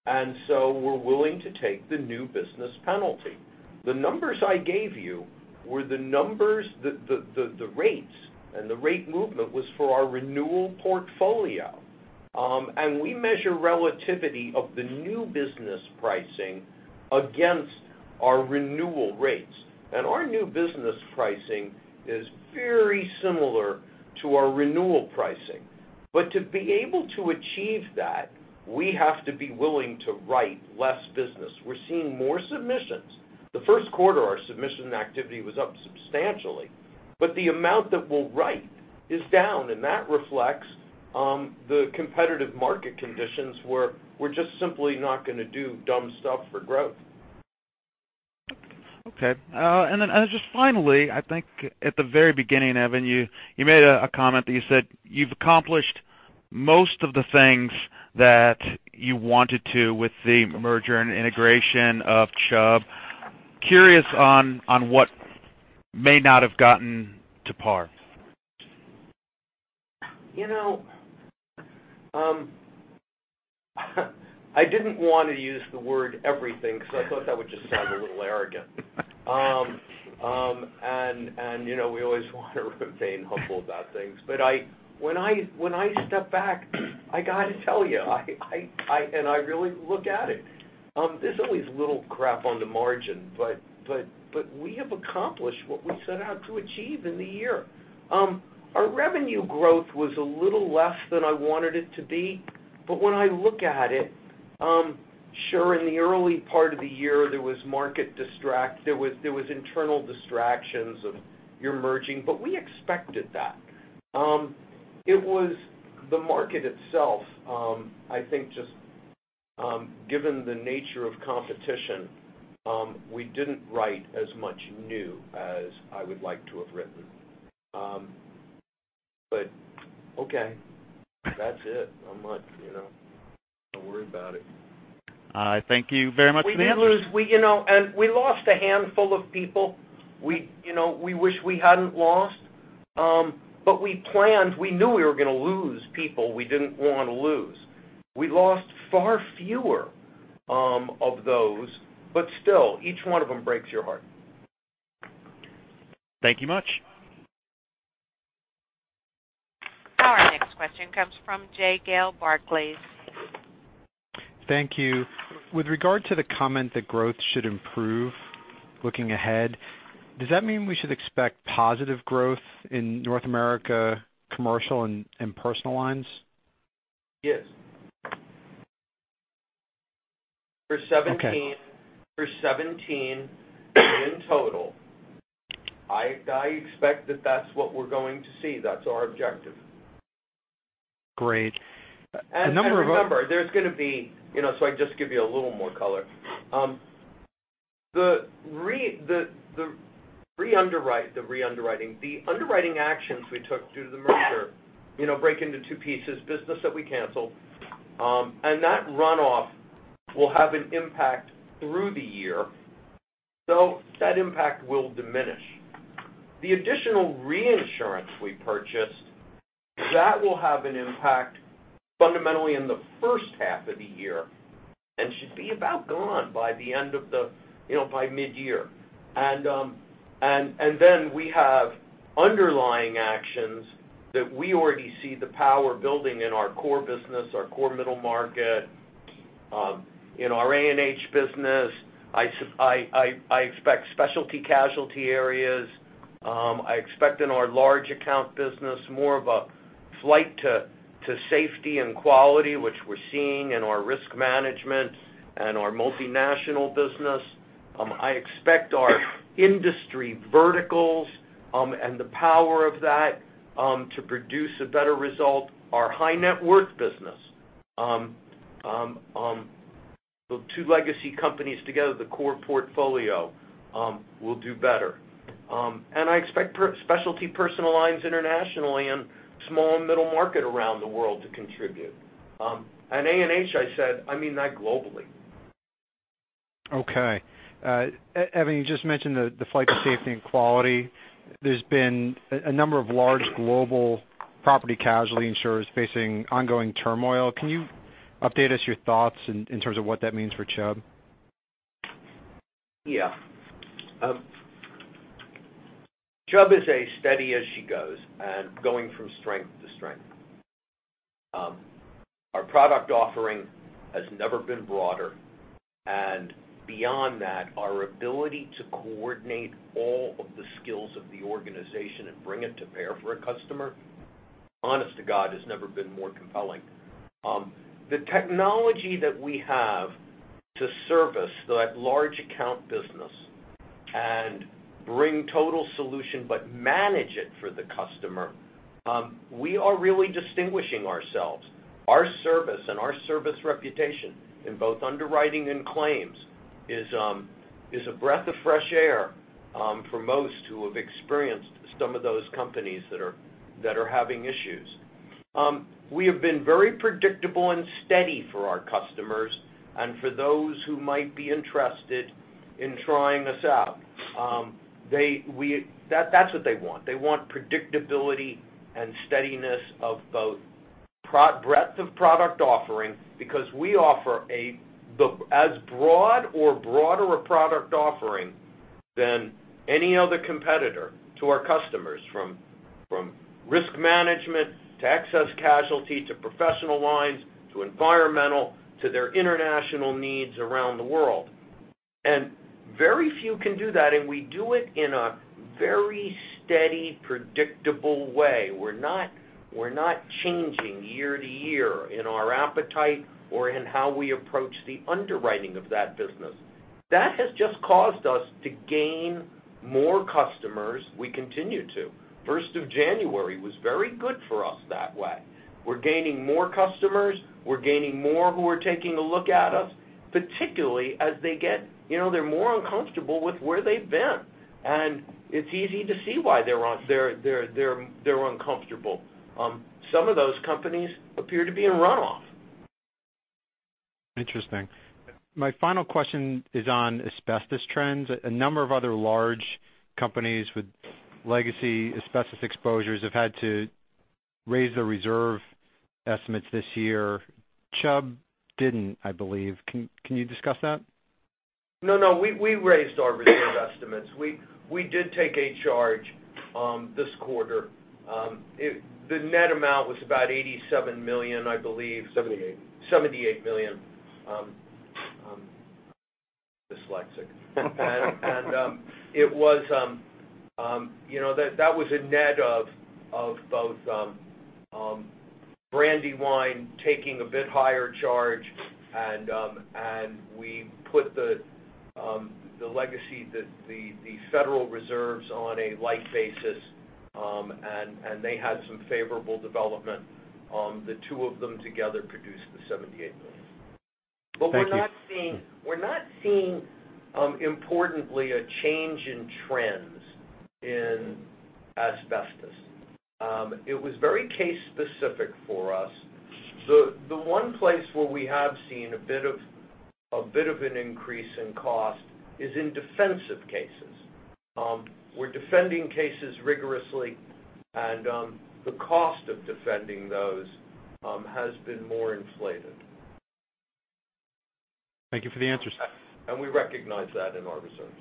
We're willing to take the new business penalty. The numbers I gave you were the rates. The rate movement was for our renewal portfolio. We measure relativity of the new business pricing against our renewal rates. Our new business pricing is very similar to our renewal pricing. To be able to achieve that, we have to be willing to write less business. We're seeing more submissions. The first quarter, our submission activity was up substantially. The amount that we'll write is down, and that reflects the competitive market conditions where we're just simply not going to do dumb stuff for growth. Okay. Just finally, I think at the very beginning, Evan, you made a comment that you said you've accomplished most of the things that you wanted to with the merger and integration of Chubb. Curious on what may not have gotten to par. I didn't want to use the word everything because I thought that would just sound a little arrogant. We always want to remain humble about things. When I step back, I got to tell you, and I really look at it, there's always a little crap on the margin, but we have accomplished what we set out to achieve in the year. Our revenue growth was a little less than I wanted it to be, but when I look at it, sure, in the early part of the year, there was internal distractions of your merging, but we expected that. It was the market itself, I think just given the nature of competition, we didn't write as much new as I would like to have written. Okay. That's it. I'm not worried about it. I thank you very much for the answer. We lost a handful of people we wish we hadn't lost. We planned, we knew we were going to lose people we didn't want to lose. We lost far fewer of those, still, each one of them breaks your heart. Thank you much. Our next question comes from Jay Gelb, Barclays. Thank you. With regard to the comment that growth should improve looking ahead, does that mean we should expect positive growth in North America commercial and personal lines? Yes. Okay. For 2017 in total, I expect that's what we're going to see. That's our objective. Great. Remember, there's going to be, so I can just give you a little more color. The reunderwriting, the underwriting actions we took due to the merger break into two pieces, business that we canceled, and that runoff will have an impact through the year. That impact will diminish. The additional reinsurance we purchased. That will have an impact fundamentally in the first half of the year and should be about gone by mid-year. We have underlying actions that we already see the power building in our core business, our core middle market, in our A&H business. I expect specialty casualty areas. I expect in our large account business, more of a flight to safety and quality, which we're seeing in our risk management and our multinational business. I expect our industry verticals, and the power of that, to produce a better result. Our high net worth business. The two legacy companies together, the core portfolio, will do better. I expect specialty personal lines internationally and small and middle market around the world to contribute. A&H, I said, I mean that globally. Okay. Evan, you just mentioned the flight to safety and quality. There's been a number of large global property casualty insurers facing ongoing turmoil. Can you update us your thoughts in terms of what that means for Chubb? Yeah. Chubb is a steady as she goes, going from strength to strength. Our product offering has never been broader. Beyond that, our ability to coordinate all of the skills of the organization and bring it to bear for a customer, honest to God, has never been more compelling. The technology that we have to service that large account business and bring total solution but manage it for the customer, we are really distinguishing ourselves. Our service and our service reputation in both underwriting and claims is a breath of fresh air for most who have experienced some of those companies that are having issues. We have been very predictable and steady for our customers and for those who might be interested in trying us out. That's what they want. They want predictability and steadiness of both breadth of product offering, because we offer as broad or broader a product offering than any other competitor to our customers, from risk management to excess casualty, to professional lines, to environmental, to their international needs around the world. Very few can do that, and we do it in a very steady, predictable way. We're not changing year to year in our appetite or in how we approach the underwriting of that business. That has just caused us to gain more customers. We continue to. First of January was very good for us that way. We're gaining more customers. We're gaining more who are taking a look at us, particularly as they're more uncomfortable with where they've been. It's easy to see why they're uncomfortable. Some of those companies appear to be in runoff. Interesting. My final question is on asbestos trends. A number of other large companies with legacy asbestos exposures have had to raise their reserve estimates this year. Chubb didn't, I believe. Can you discuss that? We raised our reserve estimates. We did take a charge this quarter. The net amount was about $87 million, I believe. 78. $78 million. Dyslexic. That was a net of both Brandywine taking a bit higher charge and we put the legacy, the Federal reserves on a like basis, and they had some favorable development. The two of them together produced the $78 million. Thank you. We're not seeing, importantly, a change in trends in asbestos. It was very case specific for us. The one place where we have seen a bit of an increase in cost is in defensive cases. We're defending cases rigorously, and the cost of defending those has been more inflated. Thank you for the answers. We recognize that in our reserves.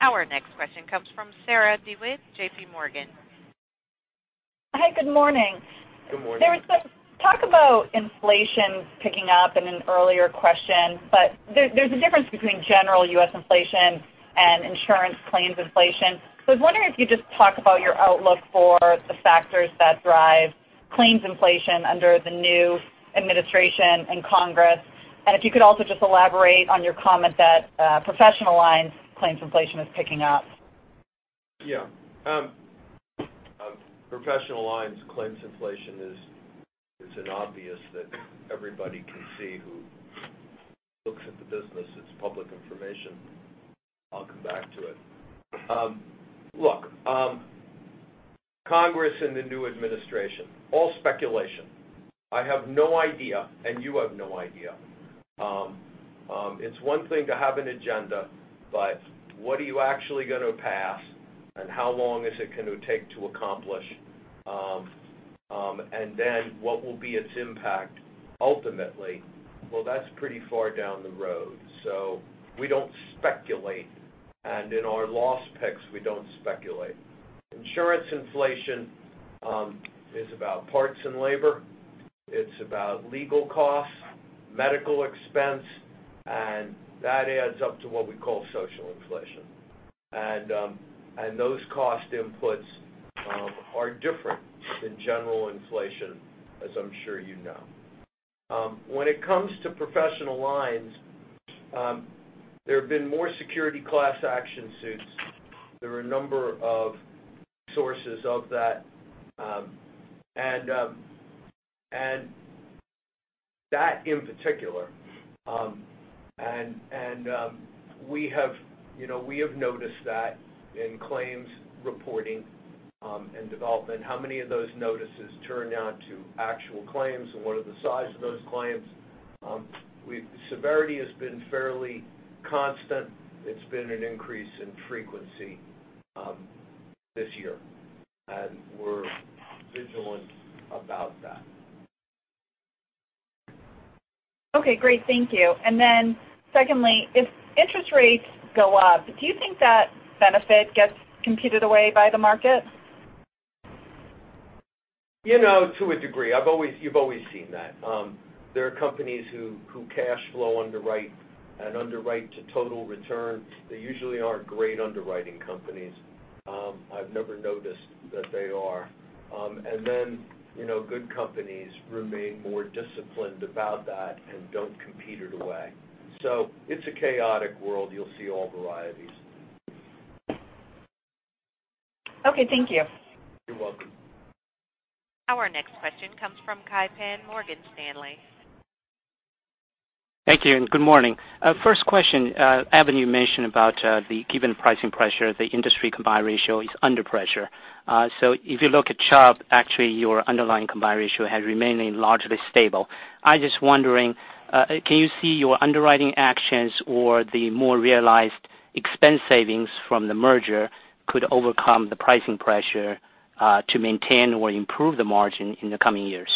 Our next question comes from Sarah DeWitt, JPMorgan. Hi, good morning. Good morning. There was some talk about inflation picking up in an earlier question, but there's a difference between general U.S. inflation and insurance claims inflation. I was wondering if you could just talk about your outlook for the factors that drive claims inflation under the new administration and Congress, and if you could also just elaborate on your comment that professional lines claims inflation is picking up. Professional lines claims inflation is an obvious that everybody can see who looks at the business. It's public information. I'll come back to it. Look, Congress and the new administration, all speculation I have no idea, you have no idea. It's one thing to have an agenda, but what are you actually going to pass, and how long is it going to take to accomplish? What will be its impact ultimately? Well, that's pretty far down the road, so we don't speculate. In our loss picks, we don't speculate. Insurance inflation is about parts and labor. It's about legal costs, medical expense, and that adds up to what we call social inflation. Those cost inputs are different than general inflation, as I'm sure you know. When it comes to professional lines, there have been more security class action suits. There are a number of sources of that, and that in particular, and we have noticed that in claims reporting, and development, how many of those notices turn out to actual claims and what are the size of those claims? Severity has been fairly constant. It's been an increase in frequency this year. We're vigilant about that. Okay, great. Thank you. Secondly, if interest rates go up, do you think that benefit gets competed away by the market? To a degree. You've always seen that. There are companies who cash flow underwrite and underwrite to total return. They usually aren't great underwriting companies. I've never noticed that they are. Good companies remain more disciplined about that and don't compete it away. It's a chaotic world. You'll see all varieties. Okay, thank you. You're welcome. Our next question comes from Kai Pan, Morgan Stanley. Thank you and good morning. First question, Evan, you mentioned about the given pricing pressure, the industry combined ratio is under pressure. If you look at Chubb, actually your underlying combined ratio has remained largely stable. I'm just wondering, can you see your underwriting actions or the more realized expense savings from the merger could overcome the pricing pressure to maintain or improve the margin in the coming years?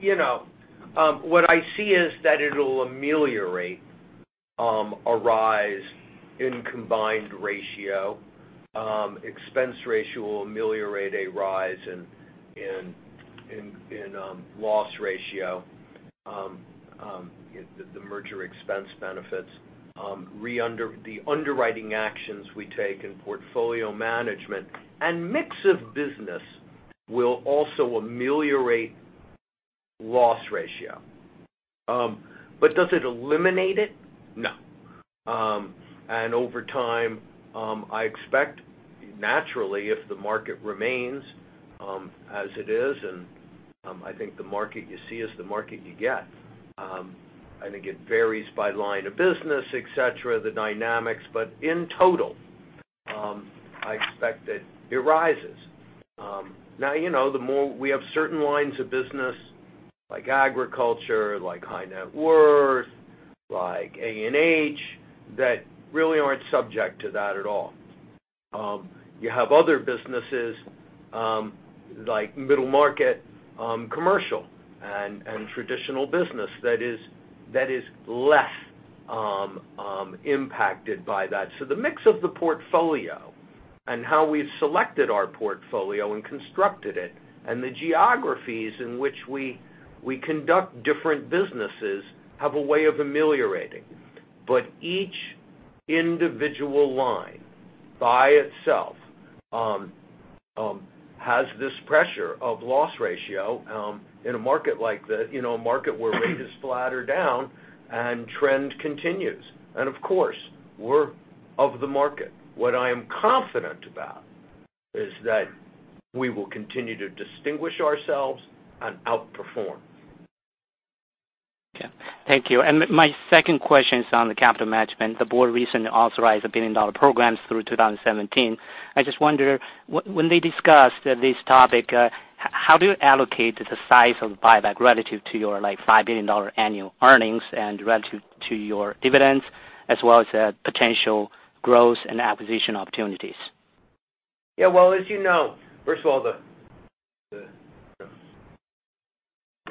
What I see is that it'll ameliorate a rise in combined ratio. Expense ratio will ameliorate a rise in loss ratio, the merger expense benefits. The underwriting actions we take in portfolio management and mix of business will also ameliorate loss ratio. Does it eliminate it? No. Over time, I expect naturally if the market remains as it is, and I think the market you see is the market you get. I think it varies by line of business, et cetera, the dynamics. In total, I expect that it rises. We have certain lines of business like agriculture, like high net worth, like A&H, that really aren't subject to that at all. You have other businesses, like middle market commercial and traditional business that is less impacted by that. The mix of the portfolio and how we've selected our portfolio and constructed it and the geographies in which we conduct different businesses have a way of ameliorating. Each individual line by itself has this pressure of loss ratio in a market like this, a market where rates flatter down and trend continues. Of course, we're of the market. What I am confident about is that we will continue to distinguish ourselves and outperform. Okay. Thank you. My second question is on the capital management. The board recently authorized a billion-dollar programs through 2017. I just wonder, when they discussed this topic, how do you allocate the size of the buyback relative to your $5 billion annual earnings and relative to your dividends as well as potential growth and acquisition opportunities? Yeah. Well, as you know, first of all, we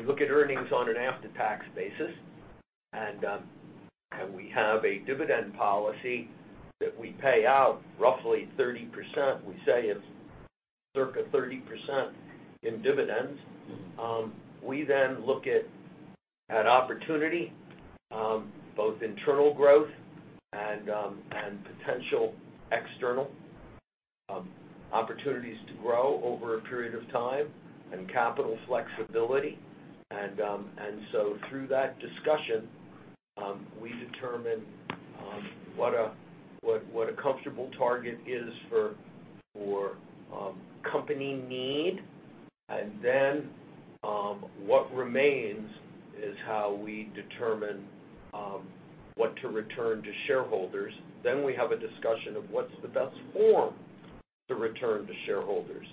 look at earnings on an after-tax basis, and we have a dividend policy that we pay out roughly 30%. We say it's circa 30% in dividends. We look at opportunity, both internal growth and potential external opportunities to grow over a period of time and capital flexibility. Through that discussion, we determine what a comfortable target is for company need, and then what remains is how we determine what to return to shareholders. We have a discussion of what's the best form to return to shareholders.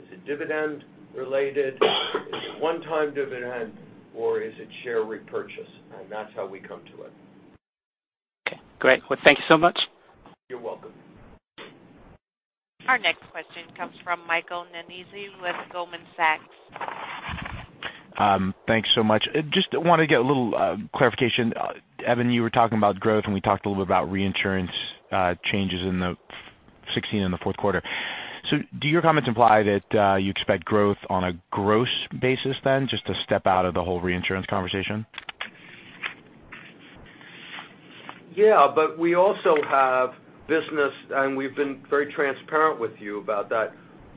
Is it dividend related? Is it one-time dividend or is it share repurchase? That's how we come to it. Okay, great. Well, thank you so much. You're welcome. Our next question comes from Michael Nannizzi with Goldman Sachs. Thanks so much. Just want to get a little clarification. Evan, you were talking about growth, and we talked a little bit about reinsurance changes in 2016, in the fourth quarter. Do your comments imply that you expect growth on a gross basis then, just to step out of the whole reinsurance conversation? We also have business, and we've been very transparent with you about that.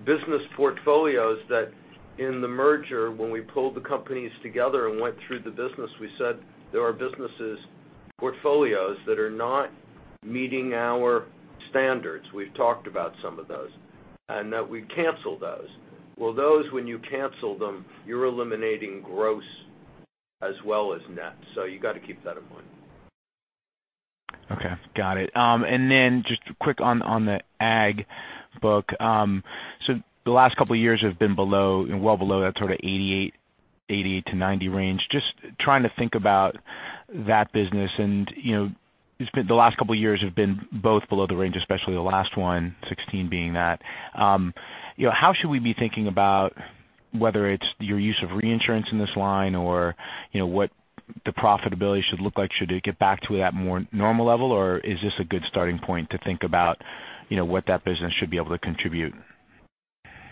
Business portfolios that in the merger, when we pulled the companies together and went through the business, we said there are businesses portfolios that are not meeting our standards. We've talked about some of those, and that we cancel those. Those, when you cancel them, you're eliminating gross as well as net. You got to keep that in mind. Okay. Got it. Just quick on the Ag book. The last couple of years have been well below that sort of 88-90 range. Just trying to think about that business, the last couple of years have been both below the range, especially the last one, 2016 being that. How should we be thinking about whether it's your use of reinsurance in this line or what the profitability should look like? Should it get back to that more normal level? Is this a good starting point to think about what that business should be able to contribute?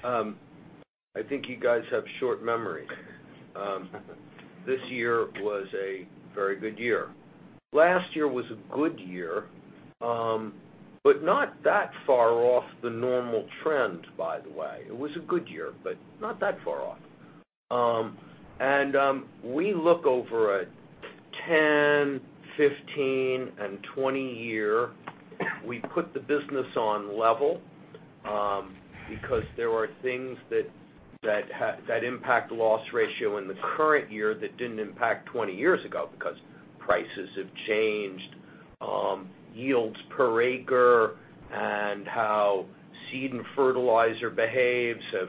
I think you guys have short memories. This year was a very good year. Last year was a good year, but not that far off the normal trend, by the way. It was a good year, but not that far off. We look over a 10, 15, and 20 year. We put the business on level, because there are things that impact loss ratio in the current year that didn't impact 20 years ago because prices have changed, yields per acre and how seed and fertilizer behaves have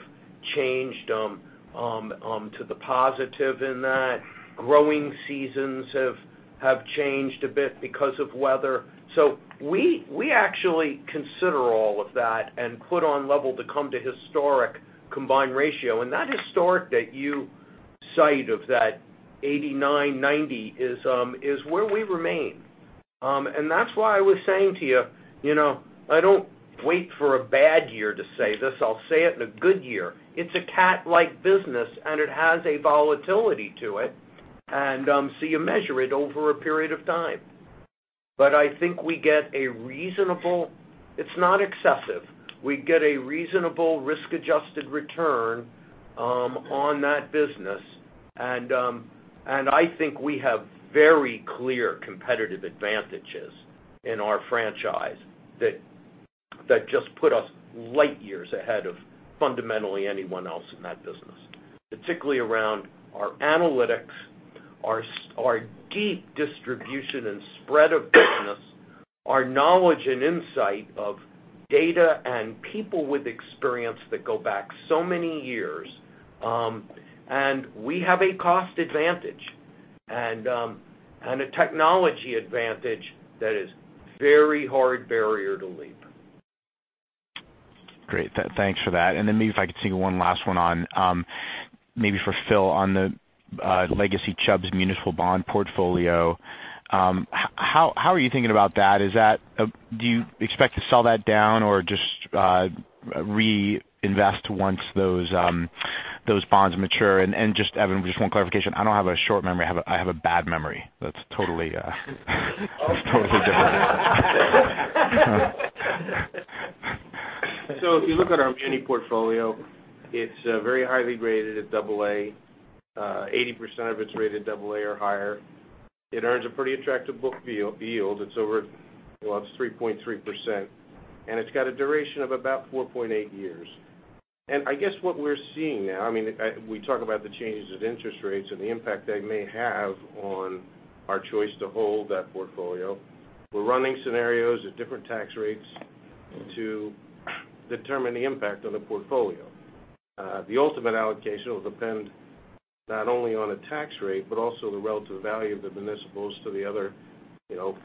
changed to the positive in that. Growing seasons have changed a bit because of weather. We actually consider all of that and put on level to come to historic combined ratio. That historic that you cite of that 89, 90 is where we remain. That's why I was saying to you, I don't wait for a bad year to say this. I'll say it in a good year. It's a cat-like business, and it has a volatility to it. You measure it over a period of time. I think we get a reasonable, it's not excessive. We get a reasonable risk-adjusted return on that business. I think we have very clear competitive advantages in our franchise that just put us light years ahead of fundamentally anyone else in that business, particularly around our analytics, our deep distribution and spread of business, our knowledge and insight of data and people with experience that go back so many years. We have a cost advantage and a technology advantage that is very hard barrier to leap. Great. Thanks for that. Then maybe if I could sneak one last one on maybe for Phil on the legacy Chubb's municipal bond portfolio. How are you thinking about that? Do you expect to sell that down or just reinvest once those bonds mature? Just, Evan, just one clarification. I don't have a short memory. I have a bad memory. That's totally different. If you look at our muni portfolio, it's very highly rated at double A. 80% of it's rated double A or higher. It earns a pretty attractive book yield. It's over 3.3%, and it's got a duration of about 4.8 years. I guess what we're seeing now, we talk about the changes of interest rates and the impact they may have on our choice to hold that portfolio. We're running scenarios at different tax rates to determine the impact on the portfolio. The ultimate allocation will depend not only on a tax rate, but also the relative value of the municipals to the other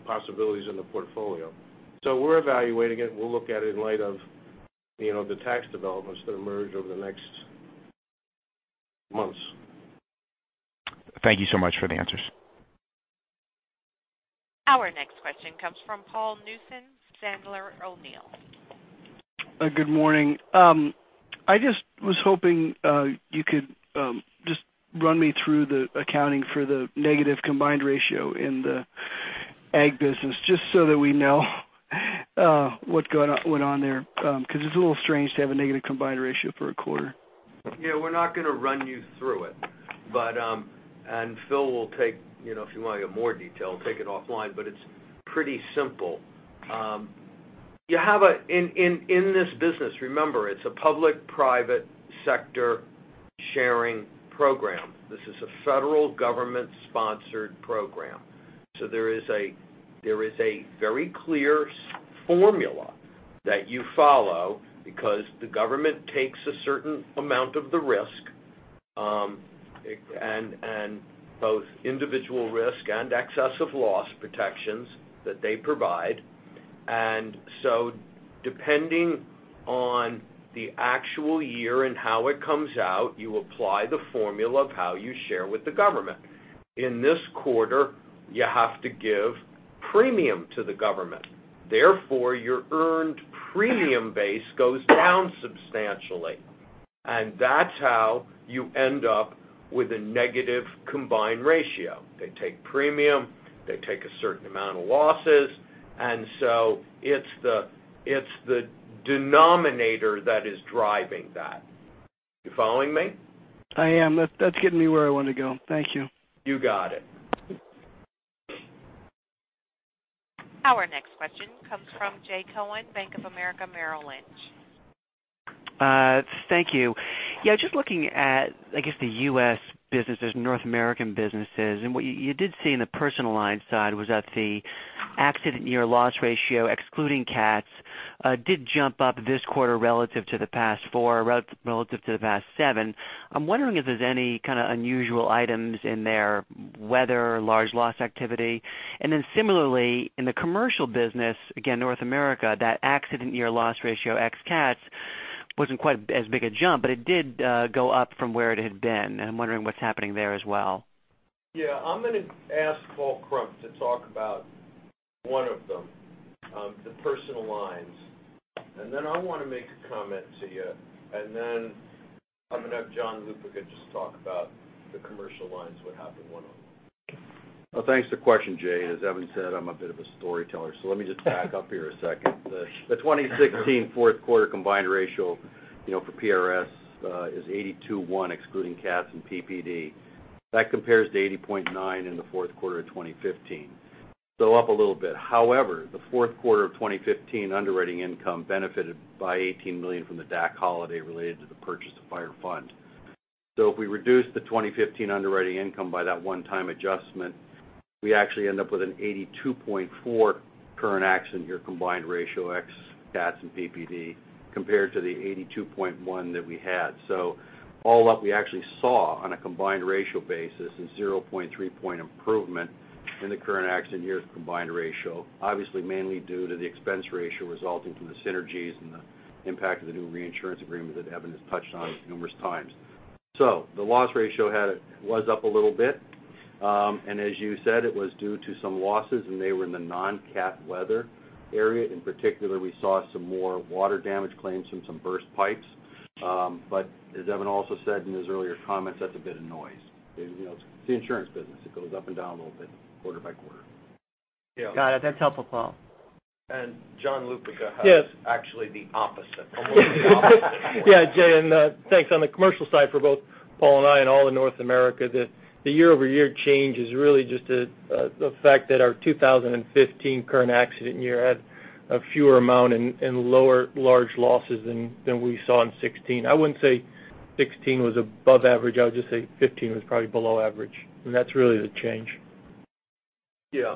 possibilities in the portfolio. We're evaluating it. We'll look at it in light of the tax developments that emerge over the next months. Thank you so much for the answers. Our next question comes from Paul Newsome, Sandler O'Neill. Good morning. I just was hoping you could just run me through the accounting for the negative combined ratio in the Ag business, just so that we know what went on there, because it's a little strange to have a negative combined ratio for a quarter. Yeah, we're not going to run you through it. Phil will take, if you want to get more detail, take it offline. It's pretty simple. In this business, remember, it's a public-private sector sharing program. This is a federal government-sponsored program. There is a very clear formula that you follow because the government takes a certain amount of the risk, both individual risk and excess of loss protections that they provide. Depending on the actual year and how it comes out, you apply the formula of how you share with the government. In this quarter, you have to give premium to the government. Therefore, your earned premium base goes down substantially, and that's how you end up with a negative combined ratio. They take premium, they take a certain amount of losses. It's the denominator that is driving that. You following me? I am. That's getting me where I want to go. Thank you. You got it. Our next question comes from Jay Cohen, Bank of America Merrill Lynch. Thank you. Just looking at, I guess, the U.S. businesses, North American businesses, and what you did see in the personal line side was that the accident year loss ratio, excluding CATS, did jump up this quarter relative to the past four, relative to the past seven. I'm wondering if there's any kind of unusual items in there, weather, large loss activity. Similarly, in the commercial business, again, North America, that accident year loss ratio ex CATS wasn't quite as big a jump, but it did go up from where it had been, and I'm wondering what's happening there as well. Yeah. I'm going to ask Paul Krump to talk about one of them, the personal lines. I want to make a comment to you. I'm going to have John Lupica just talk about the commercial lines, what happened, one-on-one. Thanks for the question, Jay. As Evan said, I'm a bit of a storyteller. Let me just back up here a second. The 2016 fourth quarter combined ratio for PRS is 82.1, excluding CATS and PPD. That compares to 80.9 in the fourth quarter of 2015. Up a little bit. However, the fourth quarter of 2015 underwriting income benefited by $18 million from the DAC holiday related to the purchase of [Fireman's Fund]. If we reduce the 2015 underwriting income by that one-time adjustment, we actually end up with an 82.4 current accident year combined ratio ex CATS and PPD, compared to the 82.1 that we had. All up, we actually saw on a combined ratio basis a 0.3 point improvement in the current accident year's combined ratio, obviously mainly due to the expense ratio resulting from the synergies and the impact of the new reinsurance agreement that Evan has touched on numerous times. The loss ratio was up a little bit. As you said, it was due to some losses, and they were in the non-CAT weather area. In particular, we saw some more water damage claims from some burst pipes. As Evan also said in his earlier comments, that's a bit of noise. It's the insurance business. It goes up and down a little bit quarter-by-quarter. Got it. That's helpful, Paul. John Lupica has- Yeah actually the opposite. Yeah, Jay, and thanks. On the commercial side for both Paul and I and all of North America, the year-over-year change is really just the fact that our 2015 current accident year had a fewer amount and lower large losses than we saw in 2016. I wouldn't say 2016 was above average. I would just say 2015 was probably below average, and that's really the change. Yeah.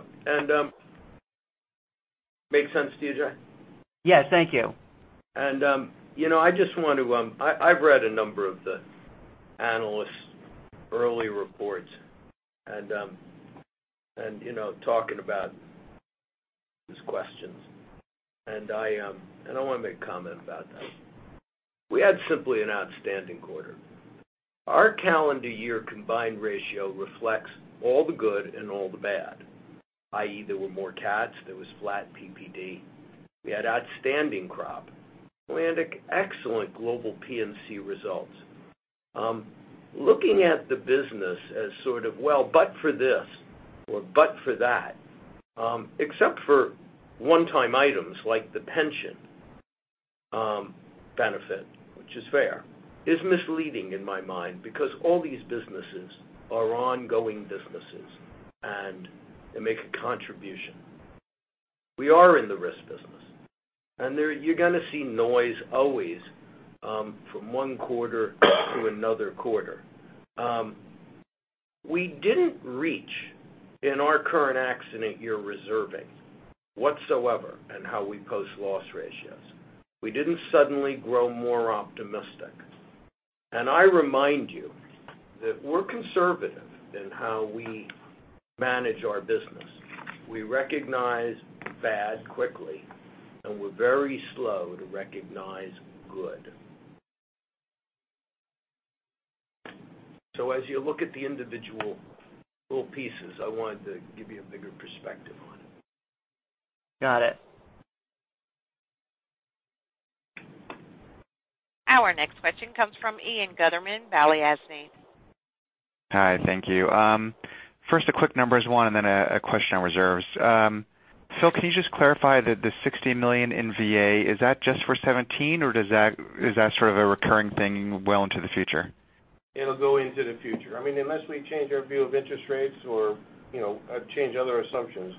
Make sense to you, Jay? Yes. Thank you. I've read a number of the analysts' early reports talking about these questions. I want to make a comment about that. We had simply an outstanding quarter. Our calendar year combined ratio reflects all the good and all the bad, i.e., there were more CATS, there was flat PPD. We had outstanding crop. Atlantic, excellent global P&C results. Looking at the business as sort of, well, but for this or but for that, except for one-time items like the pension benefit, which is fair, is misleading in my mind because all these businesses are ongoing businesses, they make a contribution. We are in the risk business, you're going to see noise always from one quarter to another quarter. We didn't reach in our current accident year reserving whatsoever in how we post loss ratios. We didn't suddenly grow more optimistic. I remind you that we're conservative in how we manage our business. We recognize bad quickly, we're very slow to recognize good. As you look at the individual pieces, I wanted to give you a bigger perspective on it. Got it. Our next question comes from Ian Gutterman, Balyasny. Hi. Thank you. First, a quick numbers one, and then a question on reserves. Phil, can you just clarify that the $60 million in VA, is that just for 2017, or is that sort of a recurring thing well into the future? It'll go into the future. Unless we change our view of interest rates or change other assumptions.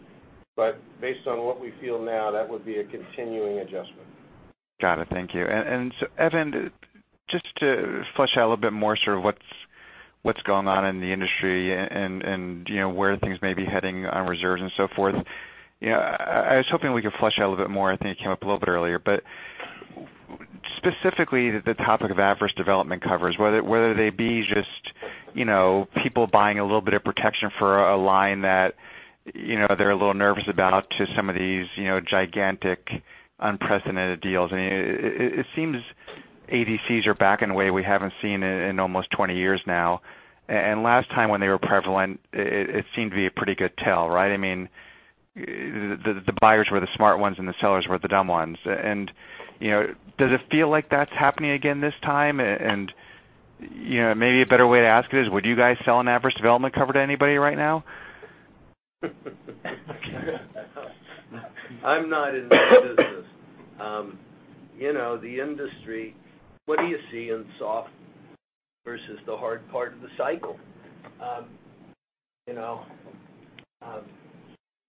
Based on what we feel now, that would be a continuing adjustment. Got it. Thank you. So Evan, just to flesh out a little bit more sort of what's going on in the industry and where things may be heading on reserves and so forth. I was hoping we could flesh out a little bit more, I think it came up a little bit earlier. Specifically, the topic of adverse development covers, whether they be just people buying a little bit of protection for a line that they're a little nervous about to some of these gigantic unprecedented deals. It seems ADCs are back in a way we haven't seen in almost 20 years now. Last time when they were prevalent, it seemed to be a pretty good tell, right? The buyers were the smart ones, and the sellers were the dumb ones. Does it feel like that's happening again this time? Maybe a better way to ask it is, would you guys sell an adverse development cover to anybody right now? I'm not in that business. The industry, what do you see in soft versus the hard part of the cycle?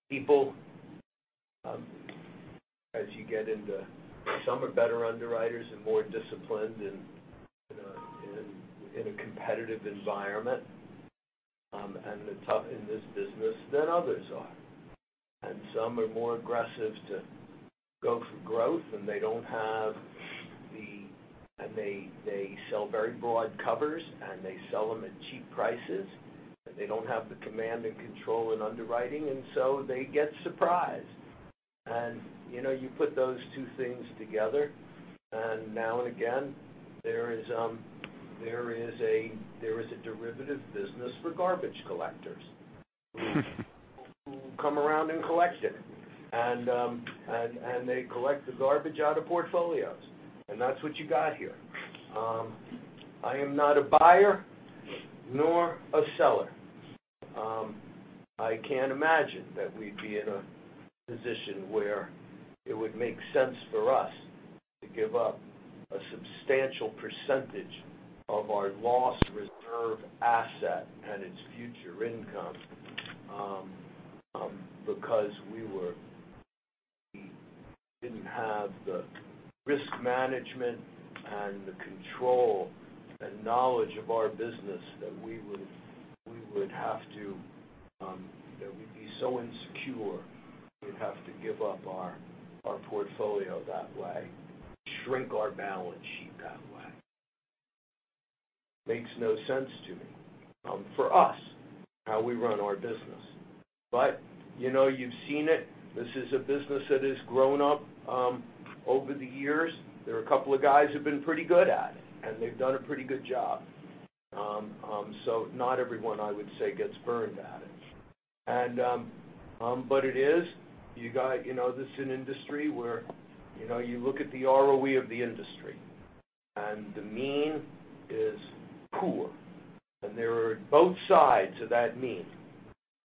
People, as you get into some are better underwriters and more disciplined in a competitive environment, and they're tough in this business than others are. Some are more aggressive to go for growth, they sell very broad covers, and they sell them at cheap prices. They don't have the command and control in underwriting, so they get surprised. You put those two things together, and now and again, there is a derivative business for garbage collectors who come around and collect it. They collect the garbage out of portfolios. That's what you got here. I am not a buyer nor a seller. I can't imagine that we'd be in a position where it would make sense for us to give up a substantial percentage of our loss reserve asset and its future income, because we didn't have the risk management and the control and knowledge of our business that we'd be so insecure we'd have to give up our portfolio that way, shrink our balance sheet that way. Makes no sense to me, for us, how we run our business. You've seen it. This is a business that has grown up over the years. There are a couple of guys who've been pretty good at it, and they've done a pretty good job. Not everyone, I would say, gets burned at it. It is. This is an industry where you look at the ROE of the industry, and the mean is poor. There are both sides of that mean.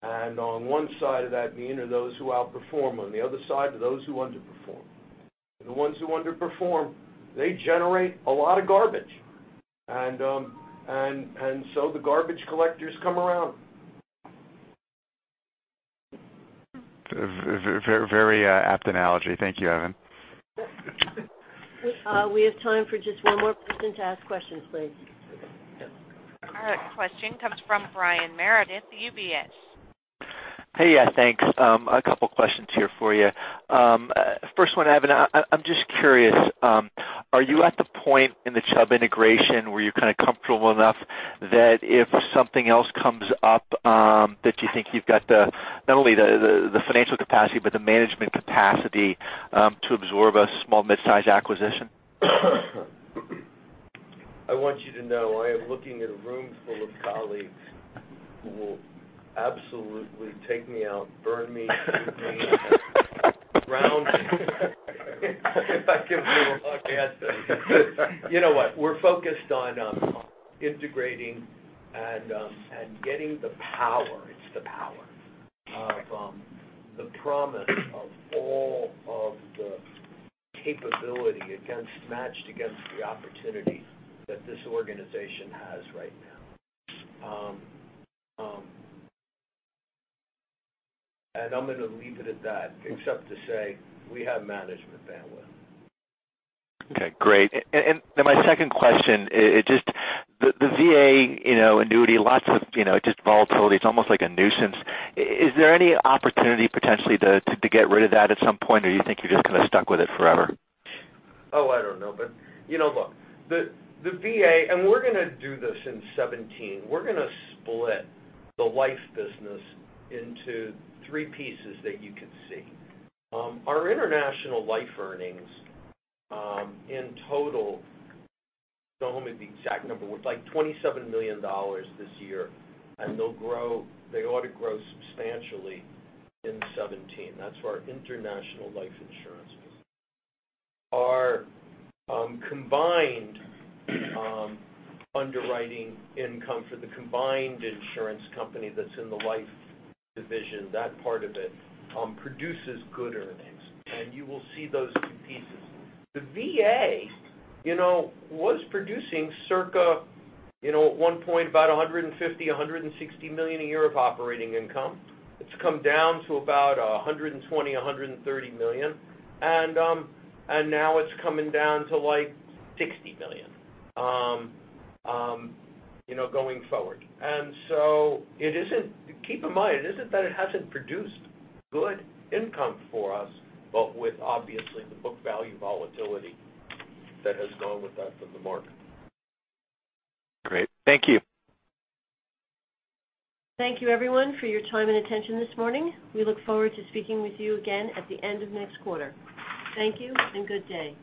On one side of that mean are those who outperform, on the other side are those who underperform. The ones who underperform, they generate a lot of garbage. The garbage collectors come around. Very apt analogy. Thank you, Evan. We have time for just one more person to ask questions, please. Okay. Yep. All right. Question comes from Brian Meredith, UBS. Hey. Yeah, thanks. A couple questions here for you. First one, Evan, I'm just curious, are you at the point in the Chubb integration where you're kind of comfortable enough that if something else comes up, that you think you've got not only the financial capacity but the management capacity to absorb a small, mid-size acquisition? I want you to know, I am looking at a room full of colleagues who will absolutely take me out, burn me- cook me, and ground me. If I give the wrong answer. You know what? We're focused on integrating and getting the power. It's the power of the promise of all of the capability matched against the opportunity that this organization has right now. I'm going to leave it at that, except to say we have management bandwidth. Okay. Great. My second question, the VA annuity, lots of just volatility. It's almost like a nuisance. Is there any opportunity potentially to get rid of that at some point? Or do you think you're just kind of stuck with it forever? Oh, I don't know, look. The VA, we're going to do this in 2017. We're going to split the life business into three pieces that you can see. Our international life earnings, in total, don't know the exact number, it was like $27 million this year. They ought to grow substantially in 2017. That's our international life insurance. Our combined underwriting income for the combined insurance company that's in the life division, that part of it produces good earnings. You will see those two pieces. The VA was producing circa at one point about $150 million-$160 million a year of operating income. It's come down to about $120 million-$130 million. Now it's coming down to like $60 million going forward. Keep in mind, it isn't that it hasn't produced good income for us, but with obviously the book value volatility that has gone with that in the market. Great. Thank you. Thank you, everyone, for your time and attention this morning. We look forward to speaking with you again at the end of next quarter. Thank you and good day.